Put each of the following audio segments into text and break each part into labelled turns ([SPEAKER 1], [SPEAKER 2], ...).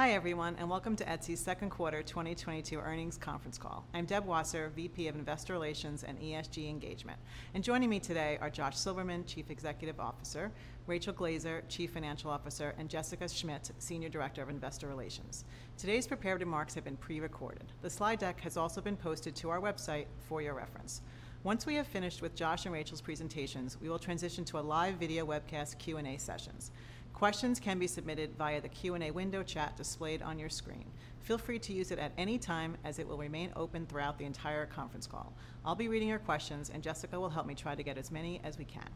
[SPEAKER 1] Hi everyone, and welcome to Etsy's Q2 2022 earnings conference call. I'm Deb Wasser, VP of Investor Relations and ESG Engagement. Joining me today are Josh Silverman, Chief Executive Officer, Rachel Glaser, Chief Financial Officer, and Jessica Schmidt, Senior Director of Investor Relations. Today's prepared remarks have been pre-recorded. The slide deck has also been posted to our website for your reference. Once we have finished with Josh and Rachel's presentations, we will transition to a live video webcast Q&A sessions. Questions can be submitted via the Q&A window chat displayed on your screen. Feel free to use it at any time as it will remain open throughout the entire conference call. I'll be reading your questions, and Jessica will help me try to get as many as we can.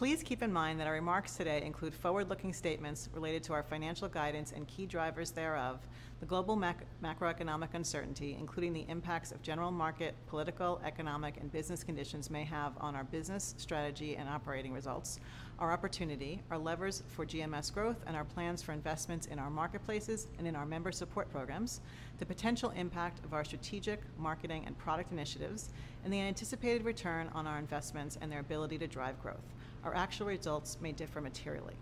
[SPEAKER 1] Please keep in mind that our remarks today include forward-looking statements related to our financial guidance and key drivers thereof, the global macroeconomic uncertainty, including the impacts of general market, political, economic, and business conditions may have on our business, strategy, and operating results, our opportunity, our levers for GMS growth, and our plans for investments in our marketplaces and in our member support programs, the potential impact of our strategic, marketing, and product initiatives, and the anticipated return on our investments and their ability to drive growth. Our actual results may differ materially.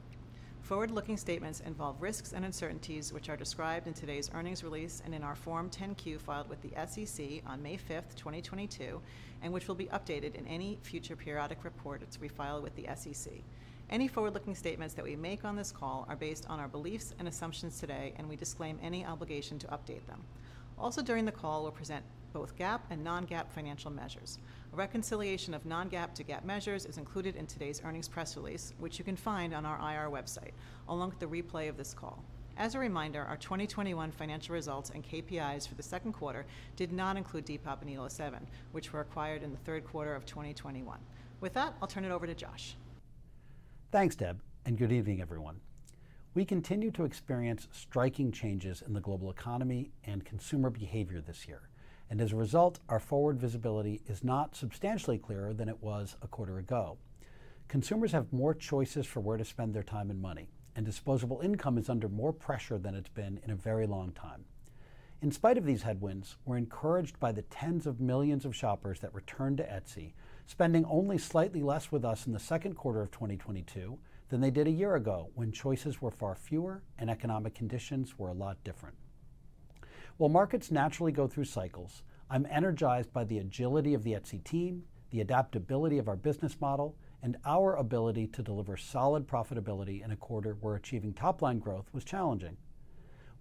[SPEAKER 1] Forward-looking statements involve risks and uncertainties which are described in today's earnings release and in our Form 10-Q filed with the SEC on May 5, 2022, and which will be updated in any future periodic report that we file with the SEC. Any forward-looking statements that we make on this call are based on our beliefs and assumptions today, and we disclaim any obligation to update them. Also, during the call, we'll present both GAAP and non-GAAP financial measures. A reconciliation of non-GAAP to GAAP measures is included in today's earnings press release, which you can find on our IR website, along with the replay of this call. As a reminder, our 2021 financial results and KPIs for the Q2 did not include Depop and Elo7, which were acquired in the third quarter of 2021. With that, I'll turn it over to Josh.
[SPEAKER 2] Thanks, Deb, and good evening, everyone. We continue to experience striking changes in the global economy and consumer behavior this year, and as a result, our forward visibility is not substantially clearer than it was a quarter ago. Consumers have more choices for where to spend their time and money, and disposable income is under more pressure than it's been in a very long time. In spite of these headwinds, we're encouraged by the tens of millions of shoppers that returned to Etsy, spending only slightly less with us in the Q2 of 2022 than they did a year ago when choices were far fewer and economic conditions were a lot different. While markets naturally go through cycles, I'm energized by the agility of the Etsy team, the adaptability of our business model, and our ability to deliver solid profitability in a quarter where achieving top-line growth was challenging.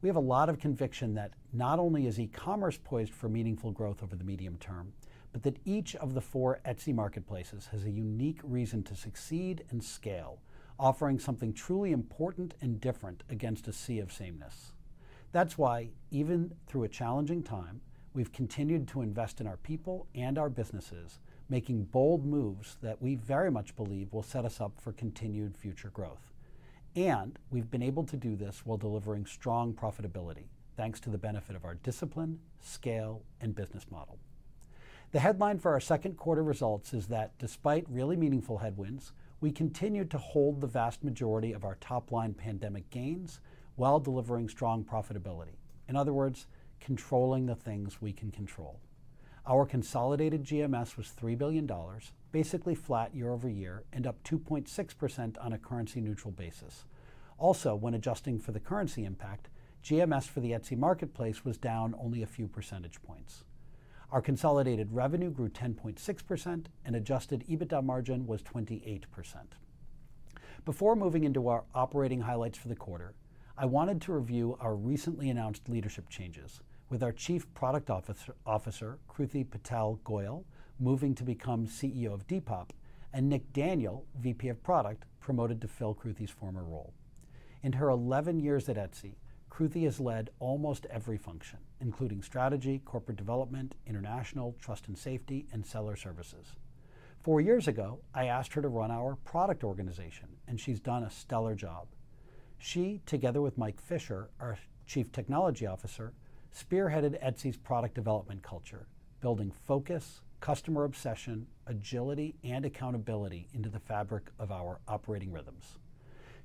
[SPEAKER 2] We have a lot of conviction that not only is e-commerce poised for meaningful growth over the medium term, but that each of the four Etsy marketplaces has a unique reason to succeed and scale, offering something truly important and different against a sea of sameness. That's why, even through a challenging time, we've continued to invest in our people and our businesses, making bold moves that we very much believe will set us up for continued future growth. We've been able to do this while delivering strong profitability, thanks to the benefit of our discipline, scale, and business model. The headline for our Q2 results is that despite really meaningful headwinds, we continued to hold the vast majority of our top-line pandemic gains while delivering strong profitability. In other words, controlling the things we can control. Our consolidated GMS was $3 billion, basically flat year-over-year and up 2.6% on a currency neutral basis. Also, when adjusting for the currency impact, GMS for the Etsy marketplace was down only a few percentage points. Our consolidated revenue grew 10.6% and adjusted EBITDA margin was 28%. Before moving into our operating highlights for the quarter, I wanted to review our recently announced leadership changes with our Chief Product Officer, Kruti Patel Goyal, moving to become CEO of Depop, and Nick Daniel, VP of Product, promoted to fill Kruti's former role. In her 11 years at Etsy, Kruti has led almost every function, including strategy, corporate development, international, trust and safety, and seller services. Four years ago, I asked her to run our product organization, and she's done a stellar job. She, together with Mike Fisher, our Chief Technology Officer, spearheaded Etsy's product development culture, building focus, customer obsession, agility, and accountability into the fabric of our operating rhythms.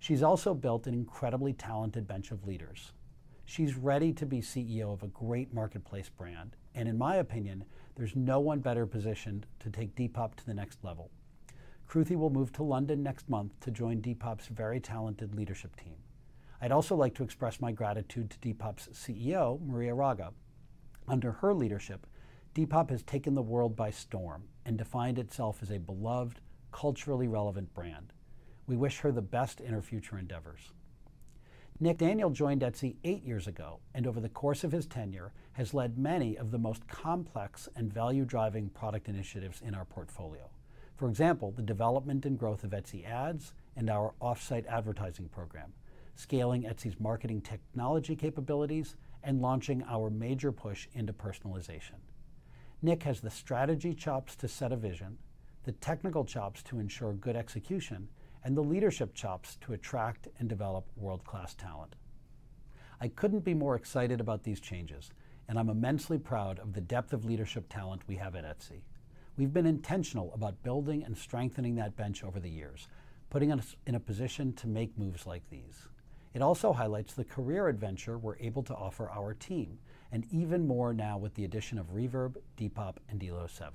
[SPEAKER 2] She's also built an incredibly talented bench of leaders. She's ready to be CEO of a great marketplace brand, and in my opinion, there's no one better positioned to take Depop to the next level. Kruti will move to London next month to join Depop's very talented leadership team. I'd also like to express my gratitude to Depop's CEO, Maria Raga. Under her leadership, Depop has taken the world by storm and defined itself as a beloved, culturally relevant brand. We wish her the best in her future endeavors. Nick Daniel joined Etsy eight years ago, and over the course of his tenure, has led many of the most complex and value-driving product initiatives in our portfolio. For example, the development and growth of Etsy Ads and our off-site advertising program, scaling Etsy's marketing technology capabilities, and launching our major push into personalization. Nick has the strategy chops to set a vision, the technical chops to ensure good execution, and the leadership chops to attract and develop world-class talent. I couldn't be more excited about these changes, and I'm immensely proud of the depth of leadership talent we have at Etsy. We've been intentional about building and strengthening that bench over the years, putting us in a position to make moves like these. It also highlights the career adventure we're able to offer our team, and even more now with the addition of Reverb, Depop, and Elo7.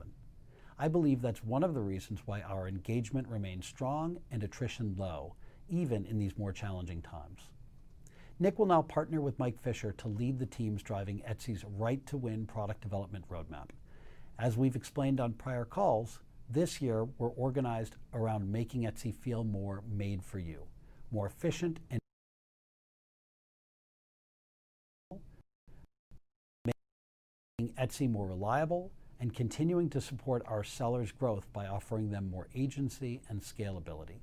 [SPEAKER 2] I believe that's one of the reasons why our engagement remains strong and attrition low, even in these more challenging times. Nick will now partner with Mike Fisher to lead the teams driving Etsy's Right to Win product development roadmap. As we've explained on prior calls, this year we're organized around making Etsy feel more made for you, more efficient and making Etsy more reliable and continuing to support our sellers' growth by offering them more agency and scalability.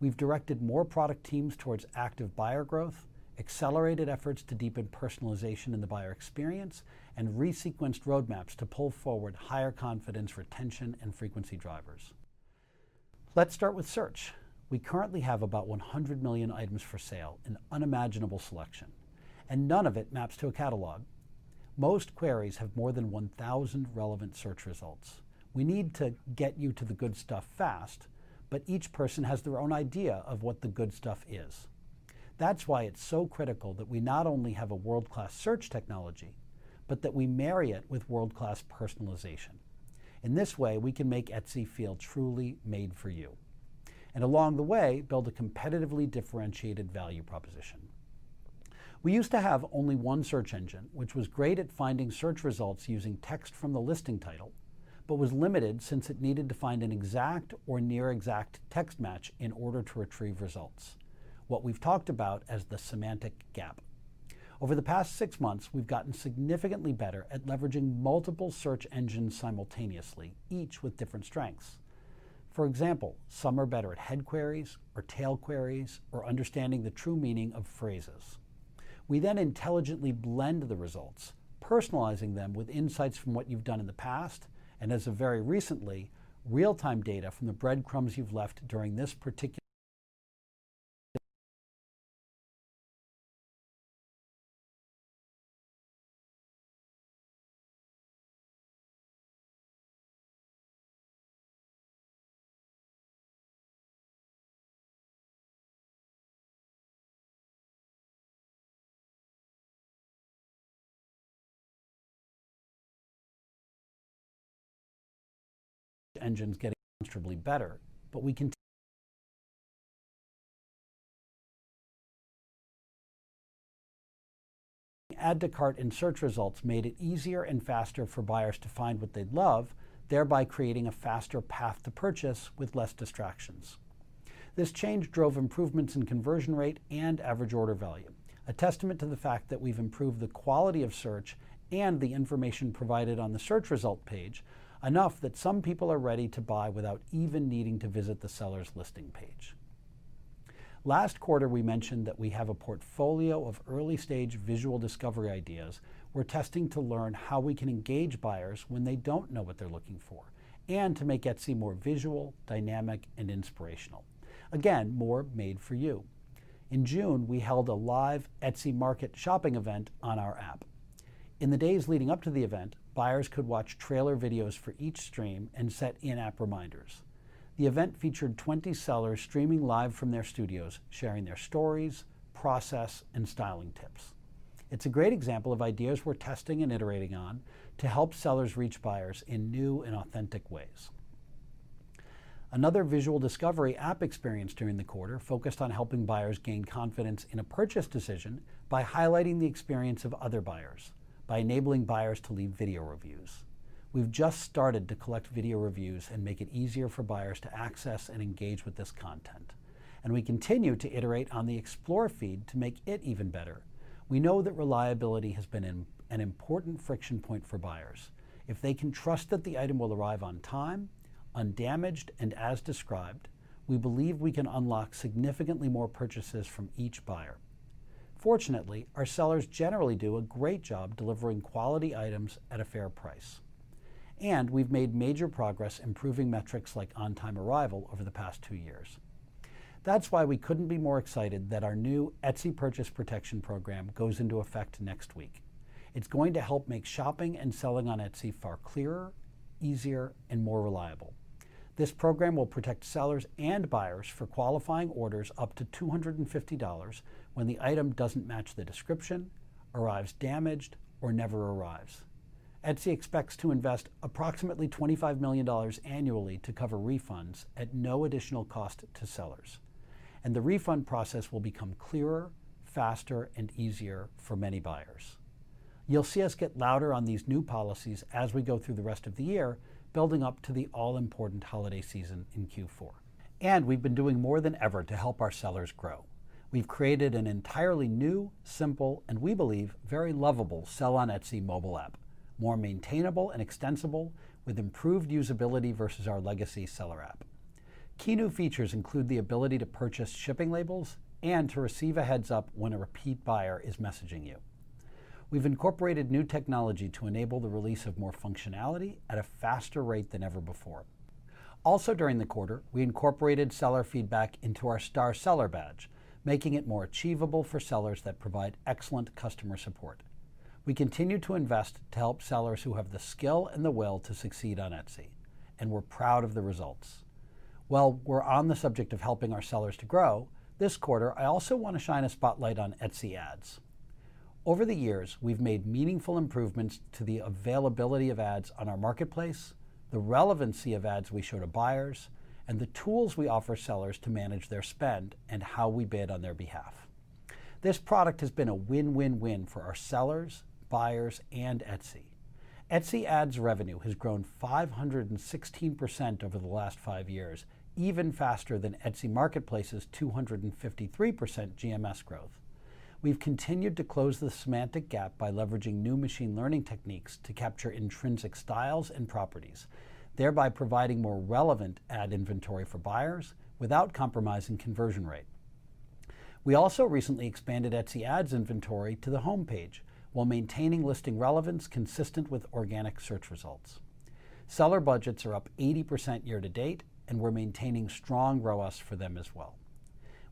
[SPEAKER 2] We've directed more product teams towards active buyer growth, accelerated efforts to deepen personalization in the buyer experience, and resequenced roadmaps to pull forward higher confidence, retention, and frequency drivers. Let's start with search. We currently have about 100 million items for sale, an unimaginable selection, and none of it maps to a catalog. Most queries have more than 1,000 relevant search results. We need to get you to the good stuff fast, but each person has their own idea of what the good stuff is. That's why it's so critical that we not only have a world-class search technology, but that we marry it with world-class personalization. In this way, we can make Etsy feel truly made for you and along the way, build a competitively differentiated value proposition. We used to have only one search engine, which was great at finding search results using text from the listing title, but was limited since it needed to find an exact or near exact text match in order to retrieve results. What we've talked about as the semantic gap. Over the past six months, we've gotten significantly better at leveraging multiple search engines simultaneously, each with different strengths. For example, some are better at head queries or tail queries or understanding the true meaning of phrases. We then intelligently blend the results, personalizing them with insights from what you've done in the past, and as of very recently, real-time data from the breadcrumbs you've left during this particular. Add to cart and search results made it easier and faster for buyers to find what they love, thereby creating a faster path to purchase with less distractions. This change drove improvements in conversion rate and average order value, a testament to the fact that we've improved the quality of search and the information provided on the search result page enough that some people are ready to buy without even needing to visit the seller's listing page. Last quarter, we mentioned that we have a portfolio of early-stage visual discovery ideas we're testing to learn how we can engage buyers when they don't know what they're looking for, and to make Etsy more visual, dynamic and inspirational. Again, more Meant for You. In June, we held a live Etsy market shopping event on our app. In the days leading up to the event, buyers could watch trailer videos for each stream and set in-app reminders. The event featured 20 sellers streaming live from their studios, sharing their stories, process, and styling tips. It's a great example of ideas we're testing and iterating on to help sellers reach buyers in new and authentic ways. Another visual discovery app experience during the quarter focused on helping buyers gain confidence in a purchase decision by highlighting the experience of other buyers by enabling buyers to leave video reviews. We've just started to collect video reviews and make it easier for buyers to access and engage with this content, and we continue to iterate on the Explore feed to make it even better. We know that reliability has been an important friction point for buyers. If they can trust that the item will arrive on time, undamaged, and as described, we believe we can unlock significantly more purchases from each buyer. Fortunately, our sellers generally do a great job delivering quality items at a fair price, and we've made major progress improving metrics like on time arrival over the past 2 years. That's why we couldn't be more excited that our new Etsy Purchase Protection program goes into effect next week. It's going to help make shopping and selling on Etsy far clearer, easier, and more reliable. This program will protect sellers and buyers for qualifying orders up to $250 when the item doesn't match the description, arrives damaged, or never arrives. Etsy expects to invest approximately $25 million annually to cover refunds at no additional cost to sellers, and the refund process will become clearer, faster, and easier for many buyers. You'll see us get louder on these new policies as we go through the rest of the year, building up to the all-important holiday season in Q4. We've been doing more than ever to help our sellers grow. We've created an entirely new, simple, and we believe very lovable Etsy Seller app mobile app, more maintainable and extensible with improved usability versus our legacy seller app. Key new features include the ability to purchase shipping labels and to receive a heads up when a repeat buyer is messaging you. We've incorporated new technology to enable the release of more functionality at a faster rate than ever before. Also during the quarter, we incorporated seller feedback into our Star Seller badge, making it more achievable for sellers that provide excellent customer support. We continue to invest to help sellers who have the skill and the will to succeed on Etsy, and we're proud of the results. While we're on the subject of helping our sellers to grow, this quarter, I also want to shine a spotlight on Etsy Ads. Over the years, we've made meaningful improvements to the availability of ads on our marketplace, the relevancy of ads we show to buyers, and the tools we offer sellers to manage their spend and how we bid on their behalf. This product has been a win-win-win for our sellers, buyers, and Etsy. Etsy Ads revenue has grown 516% over the last 5 years, even faster than Etsy marketplace's 253% GMS growth. We've continued to close the semantic gap by leveraging new machine learning techniques to capture intrinsic styles and properties, thereby providing more relevant ad inventory for buyers without compromising conversion rate. We also recently expanded Etsy Ads inventory to the homepage while maintaining listing relevance consistent with organic search results. Seller budgets are up 80% year to date, and we're maintaining strong ROAS for them as well.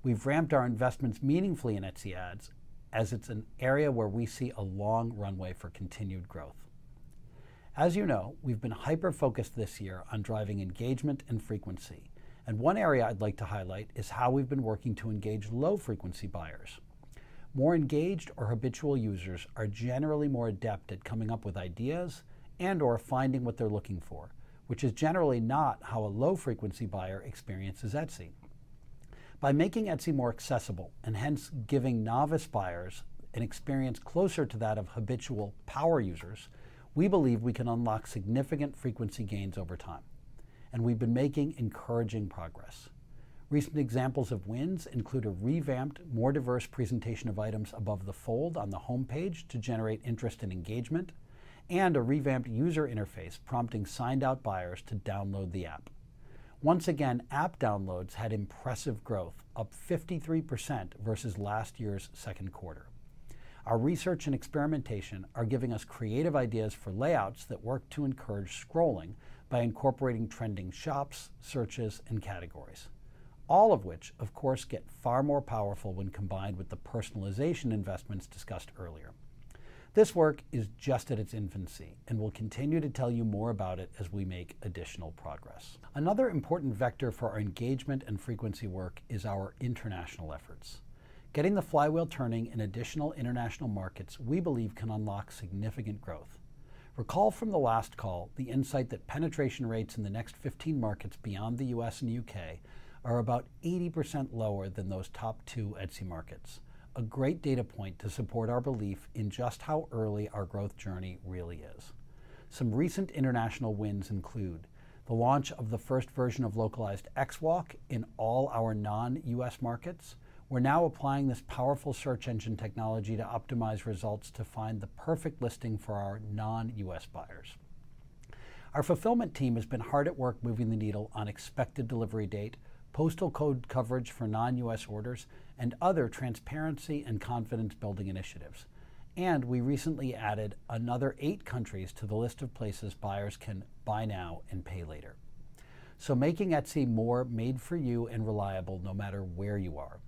[SPEAKER 2] We've ramped our investments meaningfully in Etsy Ads as it's an area where we see a long runway for continued growth. As you know, we've been hyper-focused this year on driving engagement and frequency, and one area I'd like to highlight is how we've been working to engage low frequency buyers. More engaged or habitual users are generally more adept at coming up with ideas and/or finding what they're looking for, which is generally not how a low frequency buyer experiences Etsy. By making Etsy more accessible and hence giving novice buyers an experience closer to that of habitual power users, we believe we can unlock significant frequency gains over time, and we've been making encouraging progress. Recent examples of wins include a revamped, more diverse presentation of items above the fold on the homepage to generate interest and engagement, and a revamped user interface prompting signed out buyers to download the app. Once again, app downloads had impressive growth, up 53% versus last year's Q2. Our research and experimentation are giving us creative ideas for layouts that work to encourage scrolling by incorporating trending shops, searches, and categories. All of which, of course, get far more powerful when combined with the personalization investments discussed earlier. This work is just at its infancy, and we'll continue to tell you more about it as we make additional progress. Another important vector for our engagement and frequency work is our international efforts. Getting the flywheel turning in additional international markets, we believe, can unlock significant growth. Recall from the last call, the insight that penetration rates in the next 15 markets beyond the U.S. and U.K. are about 80% lower than those top two Etsy markets. A great data point to support our belief in just how early our growth journey really is. Some recent international wins include the launch of the first version of localized XWalk in all our non-U.S. markets. We're now applying this powerful search engine technology to optimize results to find the perfect listing for our non-U.S. buyers. Our fulfillment team has been hard at work moving the needle on expected delivery date, postal code coverage for non-U.S. orders, and other transparency and confidence building initiatives. We recently added another 8 countries to the list of places buyers can buy now and pay later. Making Etsy more made for you and reliable no matter where you are.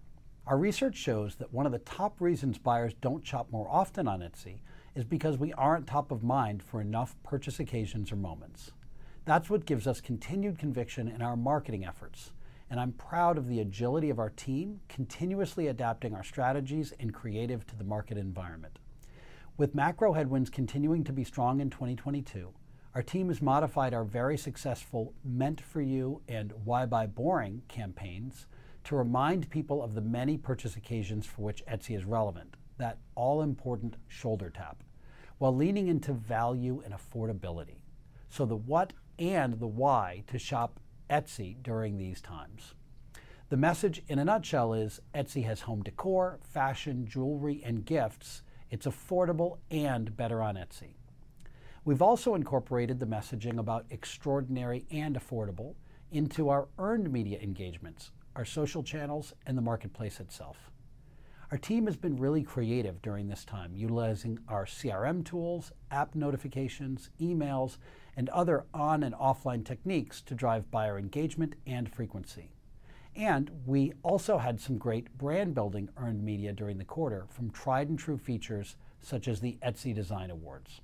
[SPEAKER 2] Our research shows that one of the top reasons buyers don't shop more often on Etsy is because we aren't top of mind for enough purchase occasions or moments. That's what gives us continued conviction in our marketing efforts, and I'm proud of the agility of our team, continuously adapting our strategies and creative to the market environment. With macro headwinds continuing to be strong in 2022, our team has modified our very successful Meant For You and Why Buy Boring campaigns to remind people of the many purchase occasions for which Etsy is relevant, that all important shoulder tap, while leaning into value and affordability. The what and the why to shop Etsy during these times. The message in a nutshell is Etsy has home decor, fashion, jewelry, and gifts. It's affordable and better on Etsy. We've also incorporated the messaging about extraordinary and affordable into our earned media engagements, our social channels, and the marketplace itself. Our team has been really creative during this time, utilizing our CRM tools, app notifications, emails, and other on and offline techniques to drive buyer engagement and frequency. We also had some great brand building earned media during the quarter from tried-and-true features such as the Etsy Design Awards.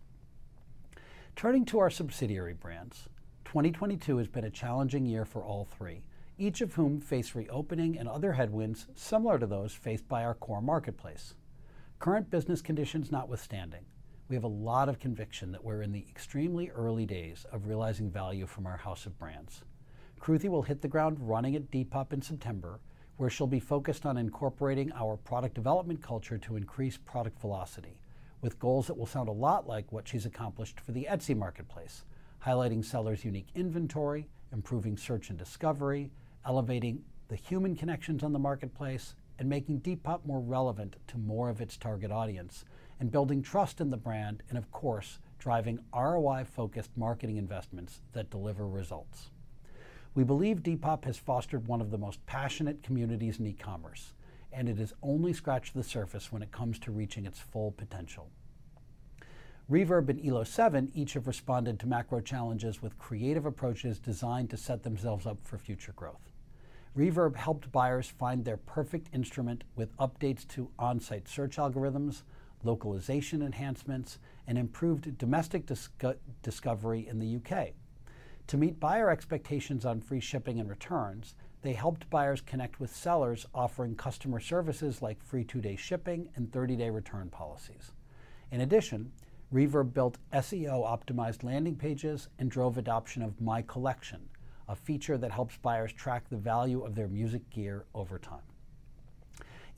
[SPEAKER 2] Turning to our subsidiary brands, 2022 has been a challenging year for all three, each of whom face reopening and other headwinds similar to those faced by our core marketplace. Current business conditions notwithstanding, we have a lot of conviction that we're in the extremely early days of realizing value from our house of brands. Kruti will hit the ground running at Depop in September, where she'll be focused on incorporating our product development culture to increase product velocity, with goals that will sound a lot like what she's accomplished for the Etsy marketplace, highlighting sellers' unique inventory, improving search and discovery, elevating the human connections on the marketplace, and making Depop more relevant to more of its target audience, and building trust in the brand, and of course, driving ROI-focused marketing investments that deliver results. We believe Depop has fostered one of the most passionate communities in e-commerce, and it has only scratched the surface when it comes to reaching its full potential. Reverb and Elo7 each have responded to macro challenges with creative approaches designed to set themselves up for future growth. Reverb helped buyers find their perfect instrument with updates to on-site search algorithms, localization enhancements, and improved domestic discovery in the U.K. To meet buyer expectations on free shipping and returns, they helped buyers connect with sellers offering customer services like free two-day shipping and thirty-day return policies. In addition, Reverb built SEO-optimized landing pages and drove adoption of My Collection, a feature that helps buyers track the value of their music gear over time.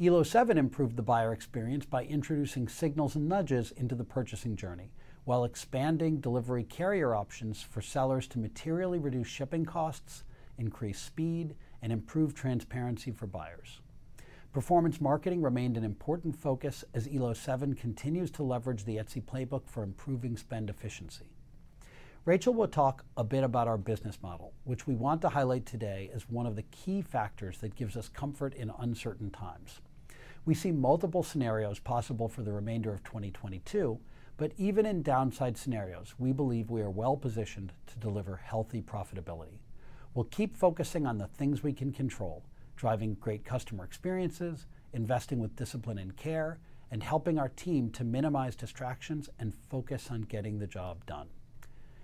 [SPEAKER 2] Elo7 improved the buyer experience by introducing signals and nudges into the purchasing journey, while expanding delivery carrier options for sellers to materially reduce shipping costs, increase speed, and improve transparency for buyers. Performance marketing remained an important focus as Elo7 continues to leverage the Etsy playbook for improving spend efficiency. Rachel will talk a bit about our business model, which we want to highlight today as one of the key factors that gives us comfort in uncertain times. We see multiple scenarios possible for the remainder of 2022, but even in downside scenarios, we believe we are well-positioned to deliver healthy profitability. We'll keep focusing on the things we can control, driving great customer experiences, investing with discipline and care, and helping our team to minimize distractions and focus on getting the job done.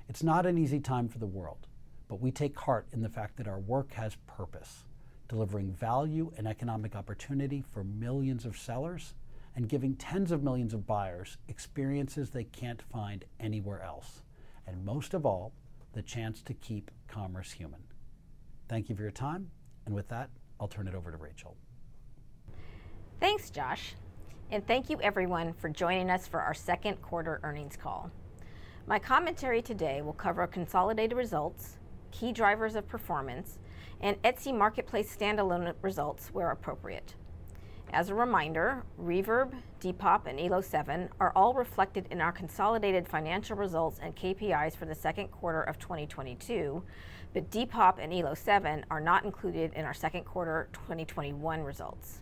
[SPEAKER 2] It's not an easy time for the world, but we take heart in the fact that our work has purpose, delivering value and economic opportunity for millions of sellers and giving tens of millions of buyers experiences they can't find anywhere else, and most of all, the chance to keep commerce human. Thank you for your time, and with that, I'll turn it over to Rachel.
[SPEAKER 3] Thanks, Josh, and thank you everyone for joining us for our Q2 earnings call. My commentary today will cover consolidated results, key drivers of performance, and Etsy marketplace standalone results where appropriate. As a reminder, Reverb, Depop, and Elo7 are all reflected in our consolidated financial results and KPIs for the Q2 of 2022, but Depop and Elo7 are not included in our Q2 2021 results.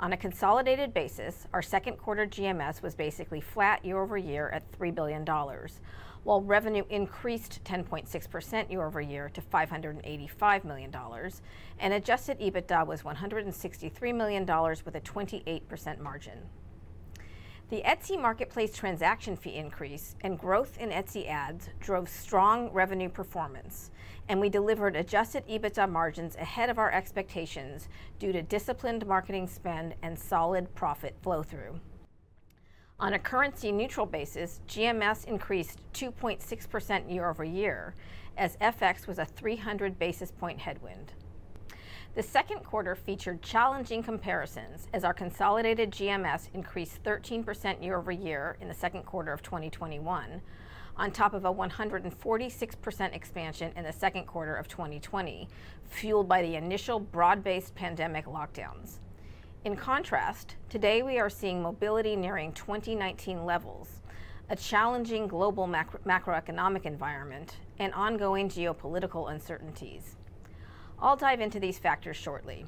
[SPEAKER 3] On a consolidated basis, our Q2 GMS was basically flat year over year at $3 billion, while revenue increased 10.6% year over year to $585 million, and adjusted EBITDA was $163 million with a 28% margin. The Etsy marketplace transaction fee increase and growth in Etsy Ads drove strong revenue performance, and we delivered adjusted EBITDA margins ahead of our expectations due to disciplined marketing spend and solid profit flow-through. On a currency neutral basis, GMS increased 2.6% year-over-year as FX was a 300 basis points headwind. The Q2 featured challenging comparisons as our consolidated GMS increased 13% year-over-year in the Q2 of 2021, on top of a 146% expansion in the Q2 of 2020, fueled by the initial broad-based pandemic lockdowns. In contrast, today we are seeing mobility nearing 2019 levels, a challenging global macro, macroeconomic environment, and ongoing geopolitical uncertainties. I'll dive into these factors shortly.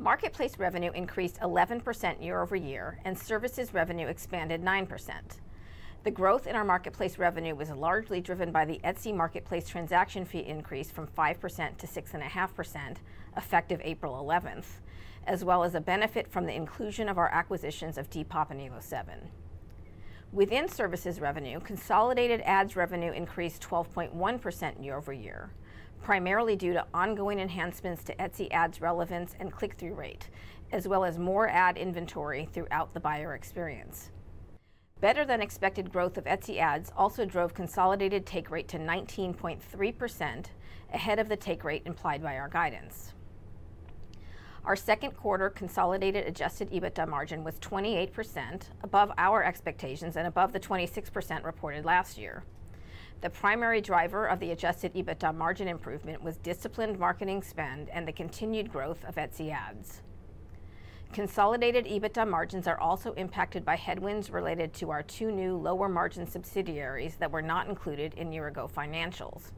[SPEAKER 3] Marketplace revenue increased 11% year-over-year, and services revenue expanded 9%. The growth in our marketplace revenue was largely driven by the Etsy marketplace transaction fee increase from 5 to 6.5%, effective April 11, as well as a benefit from the inclusion of our acquisitions of Depop and Elo7. Within services revenue, consolidated ads revenue increased 12.1% year-over-year, primarily due to ongoing enhancements to Etsy Ads relevance and click-through rate, as well as more ad inventory throughout the buyer experience. Better than expected growth of Etsy Ads also drove consolidated take rate to 19.3%, ahead of the take rate implied by our guidance. Our Q2 consolidated adjusted EBITDA margin was 28%, above our expectations and above the 26% reported last year. The primary driver of the adjusted EBITDA margin improvement was disciplined marketing spend and the continued growth of Etsy Ads. Consolidated EBITDA margins are also impacted by headwinds related to our two new lower margin subsidiaries that were not included in year-ago financials.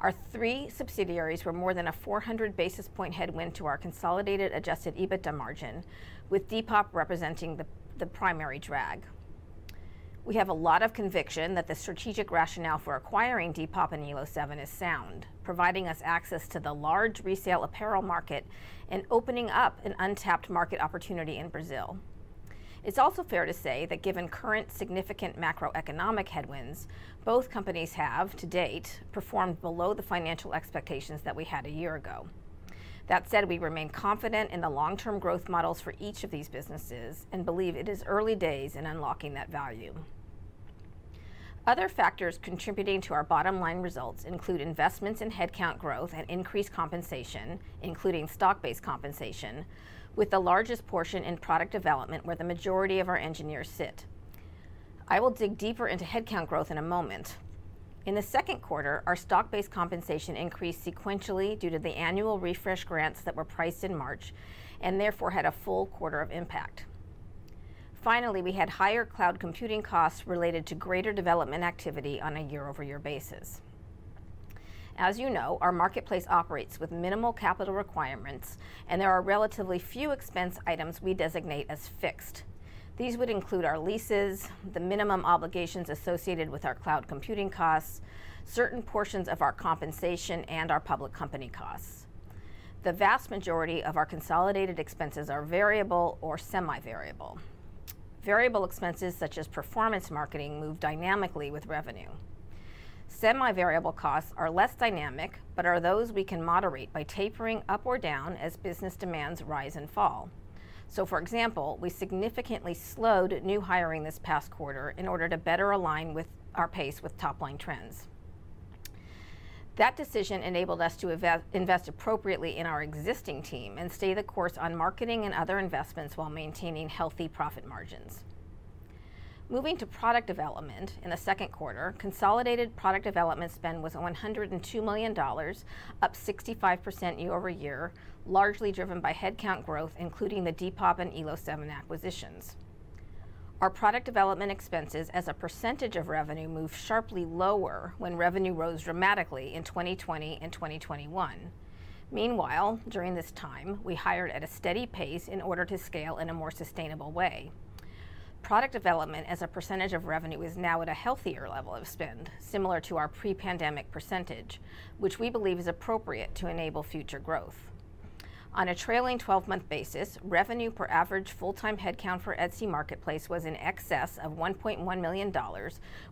[SPEAKER 3] Our three subsidiaries were more than a 400 basis point headwind to our consolidated adjusted EBITDA margin, with Depop representing the primary drag. We have a lot of conviction that the strategic rationale for acquiring Depop and Elo7 is sound, providing us access to the large resale apparel market and opening up an untapped market opportunity in Brazil. It's also fair to say that given current significant macroeconomic headwinds, both companies have, to date, performed below the financial expectations that we had a year ago. That said, we remain confident in the long-term growth models for each of these businesses and believe it is early days in unlocking that value. Other factors contributing to our bottom line results include investments in headcount growth and increased compensation, including stock-based compensation, with the largest portion in product development where the majority of our engineers sit. I will dig deeper into headcount growth in a moment. In the Q2, our stock-based compensation increased sequentially due to the annual refresh grants that were priced in March and therefore had a full quarter of impact. Finally, we had higher cloud computing costs related to greater development activity on a year-over-year basis. As you know, our marketplace operates with minimal capital requirements, and there are relatively few expense items we designate as fixed. These would include our leases, the minimum obligations associated with our cloud computing costs, certain portions of our compensation, and our public company costs. The vast majority of our consolidated expenses are variable or semi-variable. Variable expenses, such as performance marketing, move dynamically with revenue. Semi-variable costs are less dynamic, but are those we can moderate by tapering up or down as business demands rise and fall. For example, we significantly slowed new hiring this past quarter in order to better align with our pace with top-line trends. That decision enabled us to invest appropriately in our existing team and stay the course on marketing and other investments while maintaining healthy profit margins. Moving to product development. In the Q2, consolidated product development spend was $102 million, up 65% year-over-year, largely driven by headcount growth, including the Depop and Elo7 acquisitions. Our product development expenses as a percentage of revenue moved sharply lower when revenue rose dramatically in 2020 and 2021. Meanwhile, during this time, we hired at a steady pace in order to scale in a more sustainable way. Product development as a percentage of revenue is now at a healthier level of spend, similar to our pre-pandemic percentage, which we believe is appropriate to enable future growth. On a trailing twelve-month basis, revenue per average full-time headcount for Etsy Marketplace was in excess of $1.1 million,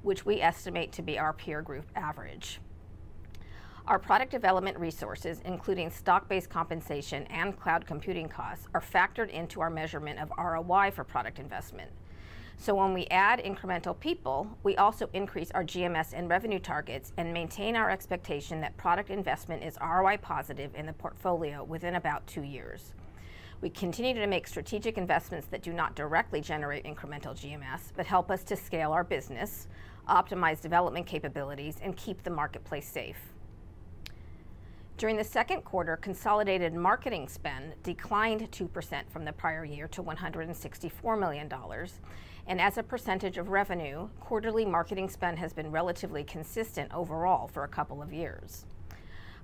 [SPEAKER 3] which we estimate to be our peer group average. Our product development resources, including stock-based compensation and cloud computing costs, are factored into our measurement of ROI for product investment. When we add incremental people, we also increase our GMS and revenue targets and maintain our expectation that product investment is ROI positive in the portfolio within about two years. We continue to make strategic investments that do not directly generate incremental GMS, but help us to scale our business, optimize development capabilities, and keep the marketplace safe. During the Q2, consolidated marketing spend declined 2% from the prior year to $164 million, and as a percentage of revenue, quarterly marketing spend has been relatively consistent overall for a couple of years.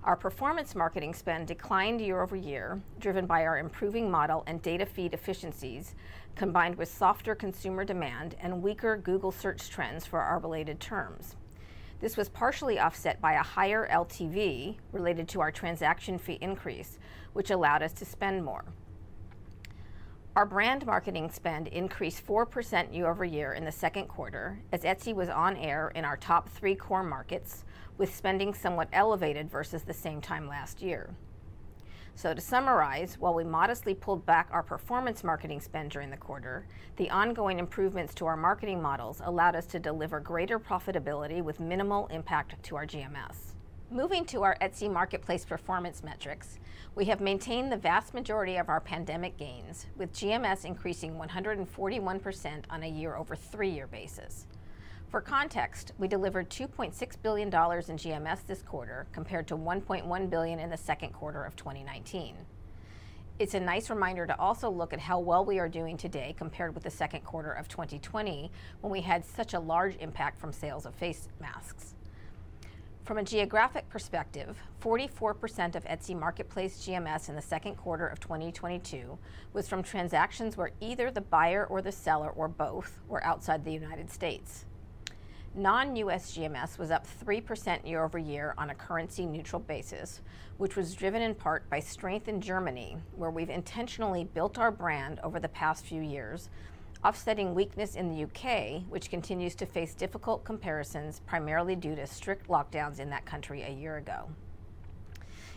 [SPEAKER 3] Our performance marketing spend declined year over year, driven by our improving model and data feed efficiencies, combined with softer consumer demand and weaker Google Search trends for our related terms. This was partially offset by a higher LTV related to our transaction fee increase, which allowed us to spend more. Our brand marketing spend increased 4% year-over-year in the Q2 as Etsy was on air in our top three core markets, with spending somewhat elevated versus the same time last year. To summarize, while we modestly pulled back our performance marketing spend during the quarter, the ongoing improvements to our marketing models allowed us to deliver greater profitability with minimal impact to our GMS. Moving to our Etsy Marketplace performance metrics, we have maintained the vast majority of our pandemic gains, with GMS increasing 141% on a year-over-three-year basis. For context, we delivered $2.6 billion in GMS this quarter, compared to $1.1 billion in the Q2 of 2019. It's a nice reminder to also look at how well we are doing today compared with the Q2 of 2020 when we had such a large impact from sales of face masks. From a geographic perspective, 44% of Etsy Marketplace GMS in the Q@ of 2022 was from transactions where either the buyer or the seller or both were outside the United States. Non-US GMS was up 3% year-over-year on a currency neutral basis, which was driven in part by strength in Germany, where we've intentionally built our brand over the past few years, offsetting weakness in the U.K., which continues to face difficult comparisons, primarily due to strict lockdowns in that country a year ago.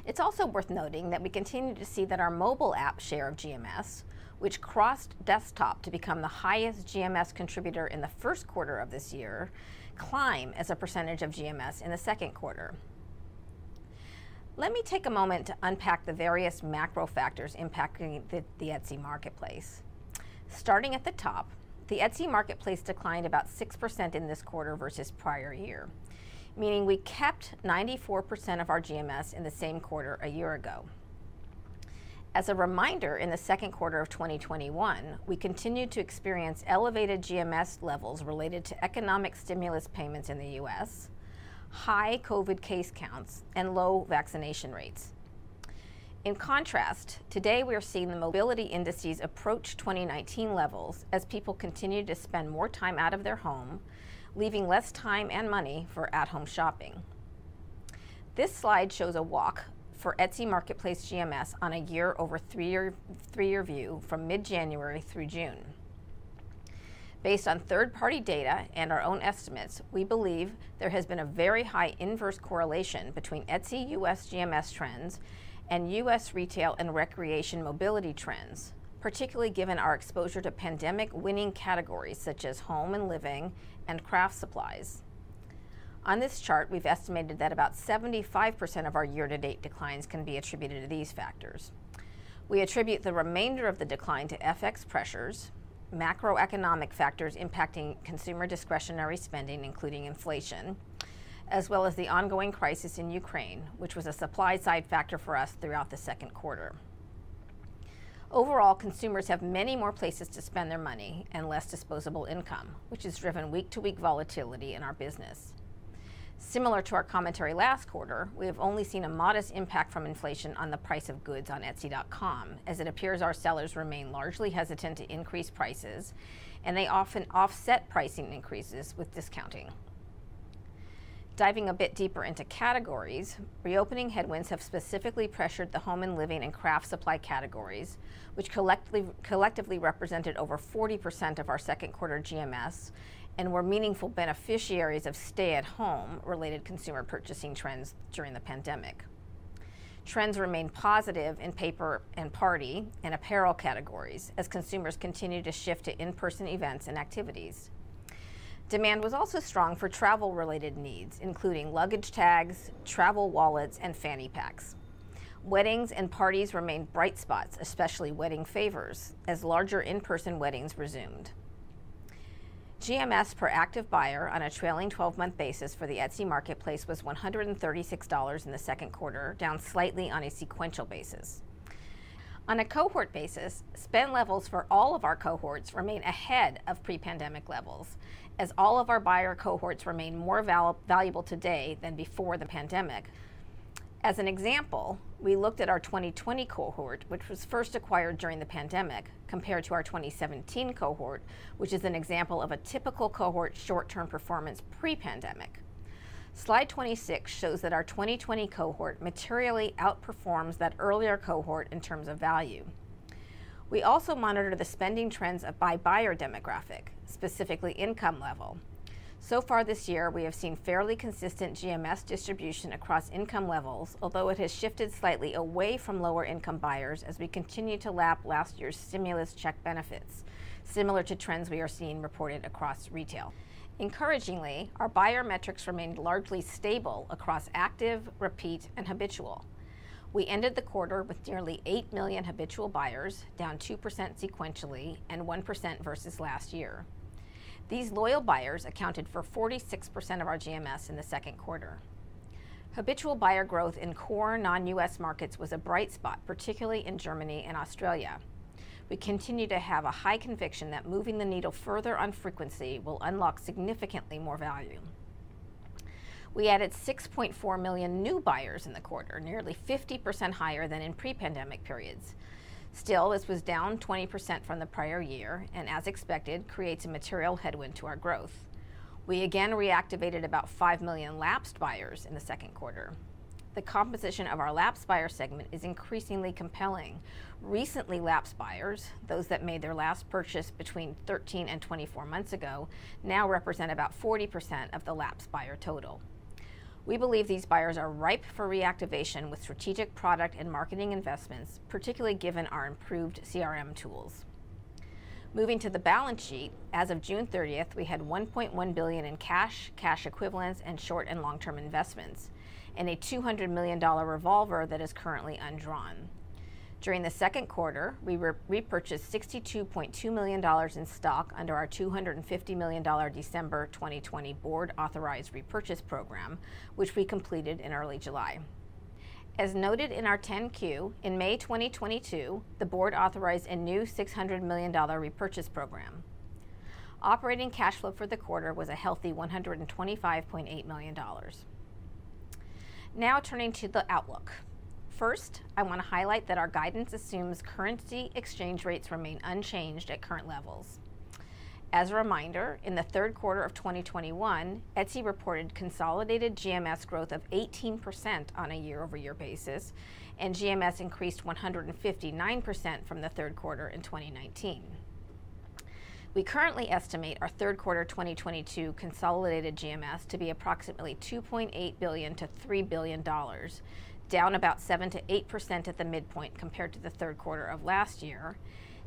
[SPEAKER 3] It's also worth noting that we continue to see that our mobile app share of GMS, which crossed desktop to become the highest GMS contributor in the first quarter of this year, climb as a percentage of GMS in the Q2. Let me take a moment to unpack the various macro factors impacting the Etsy Marketplace. Starting at the top, the Etsy Marketplace declined about 6% in this quarter versus prior year, meaning we kept 94% of our GMS in the same quarter a year ago. As a reminder, in the Q2 of 2021, we continued to experience elevated GMS levels related to economic stimulus payments in the U.S., high COVID case counts, and low vaccination rates. In contrast, today we are seeing the mobility indices approach 2019 levels as people continue to spend more time out of their home, leaving less time and money for at-home shopping. This slide shows a walk for Etsy Marketplace GMS on a year-over-year three-year view from mid-January through June. Based on third-party data and our own estimates, we believe there has been a very high inverse correlation between Etsy U.S. GMS trends and U.S. retail and recreation mobility trends, particularly given our exposure to pandemic-winning categories such as home and living and craft supplies. On this chart, we've estimated that about 75% of our year-to-date declines can be attributed to these factors. We attribute the remainder of the decline to FX pressures, macroeconomic factors impacting consumer discretionary spending, including inflation, as well as the ongoing crisis in Ukraine, which was a supply-side factor for us throughout the Q2. Overall, consumers have many more places to spend their money and less disposable income, which has driven week-to-week volatility in our business. Similar to our commentary last quarter, we have only seen a modest impact from inflation on the price of goods on Etsy.com, as it appears our sellers remain largely hesitant to increase prices, and they often offset pricing increases with discounting. Diving a bit deeper into categories, reopening headwinds have specifically pressured the home and living and craft supply categories, which collectively represented over 40% of our Q2 GMS and were meaningful beneficiaries of stay-at-home related consumer purchasing trends during the pandemic. Trends remained positive in paper and party and apparel categories as consumers continued to shift to in-person events and activities. Demand was also strong for travel-related needs, including luggage tags, travel wallets, and fanny packs. Weddings and parties remained bright spots, especially wedding favors, as larger in-person weddings resumed. GMS per active buyer on a trailing twelve-month basis for the Etsy marketplace was $136 in the Q2, down slightly on a sequential basis. On a cohort basis, spend levels for all of our cohorts remain ahead of pre-pandemic levels, as all of our buyer cohorts remain more valuable today than before the pandemic. As an example, we looked at our 2020 cohort, which was first acquired during the pandemic, compared to our 2017 cohort, which is an example of a typical cohort's short-term performance pre-pandemic. Slide 26 shows that our 2020 cohort materially outperforms that earlier cohort in terms of value. We also monitor the spending trends of by-buyer demographic, specifically income level. So far this year, we have seen fairly consistent GMS distribution across income levels, although it has shifted slightly away from lower-income buyers as we continue to lap last year's stimulus check benefits, similar to trends we are seeing reported across retail. Encouragingly, our buyer metrics remained largely stable across active, repeat, and habitual. We ended the quarter with nearly 8 million habitual buyers, down 2% sequentially and 1% versus last year. These loyal buyers accounted for 46% of our GMS in the Q2. Habitual buyer growth in core non-U.S. markets was a bright spot, particularly in Germany and Australia. We continue to have a high conviction that moving the needle further on frequency will unlock significantly more value. We added 6.4 million new buyers in the quarter, nearly 50% higher than in pre-pandemic periods. Still, this was down 20% from the prior year, and as expected, creates a material headwind to our growth. We again reactivated about 5 million lapsed buyers in the Q2. The composition of our lapsed buyer segment is increasingly compelling. Recently lapsed buyers, those that made their last purchase between 13 and 24 months ago, now represent about 40% of the lapsed buyer total. We believe these buyers are ripe for reactivation with strategic product and marketing investments, particularly given our improved CRM tools. Moving to the balance sheet, as of June 30th, we had $1.1 billion in cash equivalents, and short- and long-term investments, and a $200 million revolver that is currently undrawn. During the Q2, we repurchased $62.2 million in stock under our $250 million December 2020 board-authorized repurchase program, which we completed in early July. As noted in our 10-Q, in May 2022, the board authorized a new $600 million repurchase program. Operating cash flow for the quarter was a healthy $125.8 million. Now turning to the outlook. First, I want to highlight that our guidance assumes currency exchange rates remain unchanged at current levels. As a reminder, in the third quarter of 2021, Etsy reported consolidated GMS growth of 18% on a year-over-year basis, and GMS increased 159% from the third quarter in 2019. We currently estimate our third quarter 2022 consolidated GMS to be approximately $2.8 to 3 billion, down about 7 to 8% at the midpoint compared to the third quarter of last year,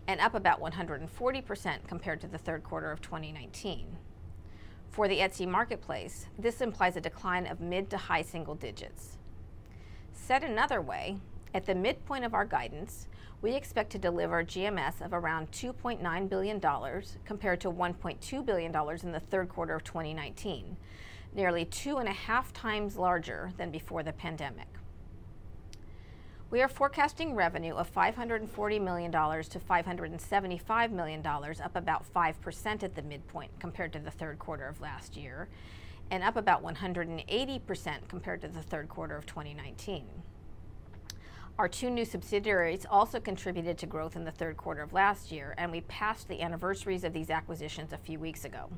[SPEAKER 3] and up about 140% compared to the third quarter of 2019. For the Etsy marketplace, this implies a decline of mid- to high-single digits. Said another way, at the midpoint of our guidance, we expect to deliver GMS of around $2.9 billion compared to $1.2 billion in the third quarter of 2019, nearly 2.5 times larger than before the pandemic. We are forecasting revenue of $540 to 575 million, up about 5% at the midpoint compared to the third quarter of last year, and up about 180% compared to the third quarter of 2019. Our two new subsidiaries also contributed to growth in the third quarter of last year, and we passed the anniversaries of these acquisitions a few weeks ago.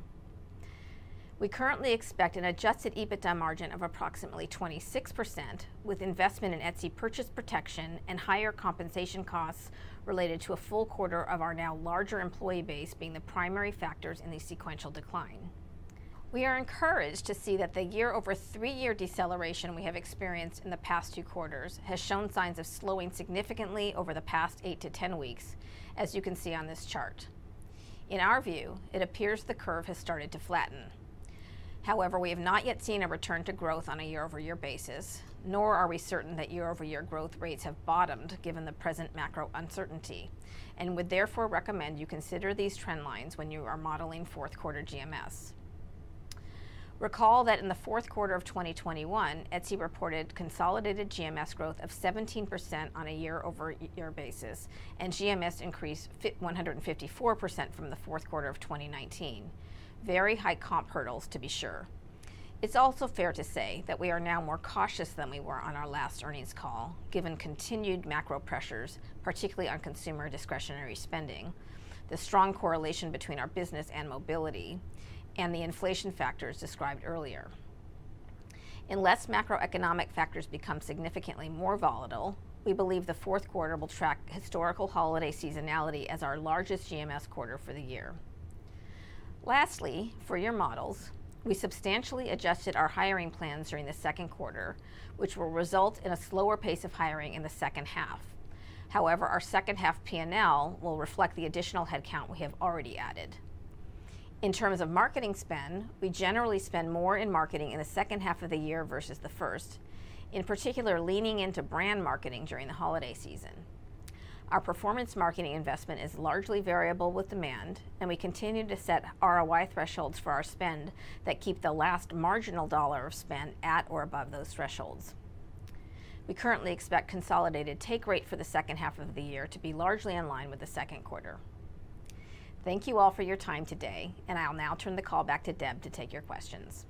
[SPEAKER 3] We currently expect an adjusted EBITDA margin of approximately 26%, with investment in Etsy Purchase Protection and higher compensation costs related to a full quarter of our now larger employee base being the primary factors in the sequential decline. We are encouraged to see that the year-over-three-year deceleration we have experienced in the past 2 quarters has shown signs of slowing significantly over the past 8 to 10 weeks, as you can see on this chart. In our view, it appears the curve has started to flatten. However, we have not yet seen a return to growth on a year-over-year basis, nor are we certain that year-over-year growth rates have bottomed given the present macro uncertainty and would therefore recommend you consider these trend lines when you are modeling fourth quarter GMS. Recall that in the fourth quarter of 2021, Etsy reported consolidated GMS growth of 17% on a year-over-year basis, and GMS increased 154% from the fourth quarter of 2019. Very high comp hurdles, to be sure. It's also fair to say that we are now more cautious than we were on our last earnings call, given continued macro pressures, particularly on consumer discretionary spending, the strong correlation between our business and mobility, and the inflation factors described earlier. Unless macroeconomic factors become significantly more volatile, we believe the fourth quarter will track historical holiday seasonality as our largest GMS quarter for the year. Lastly, for your models, we substantially adjusted our hiring plans during the Q2, which will result in a slower pace of hiring in the second half. However, our second half P&L will reflect the additional head count we have already added. In terms of marketing spend, we generally spend more in marketing in the second half of the year versus the first, in particular leaning into brand marketing during the holiday season. Our performance marketing investment is largely variable with demand, and we continue to set ROI thresholds for our spend that keep the last marginal dollar spent at or above those thresholds. We currently expect consolidated take rate for the second half of the year to be largely in line with the Q2. Thank you all for your time today, and I will now turn the call back to Deb to take your questions.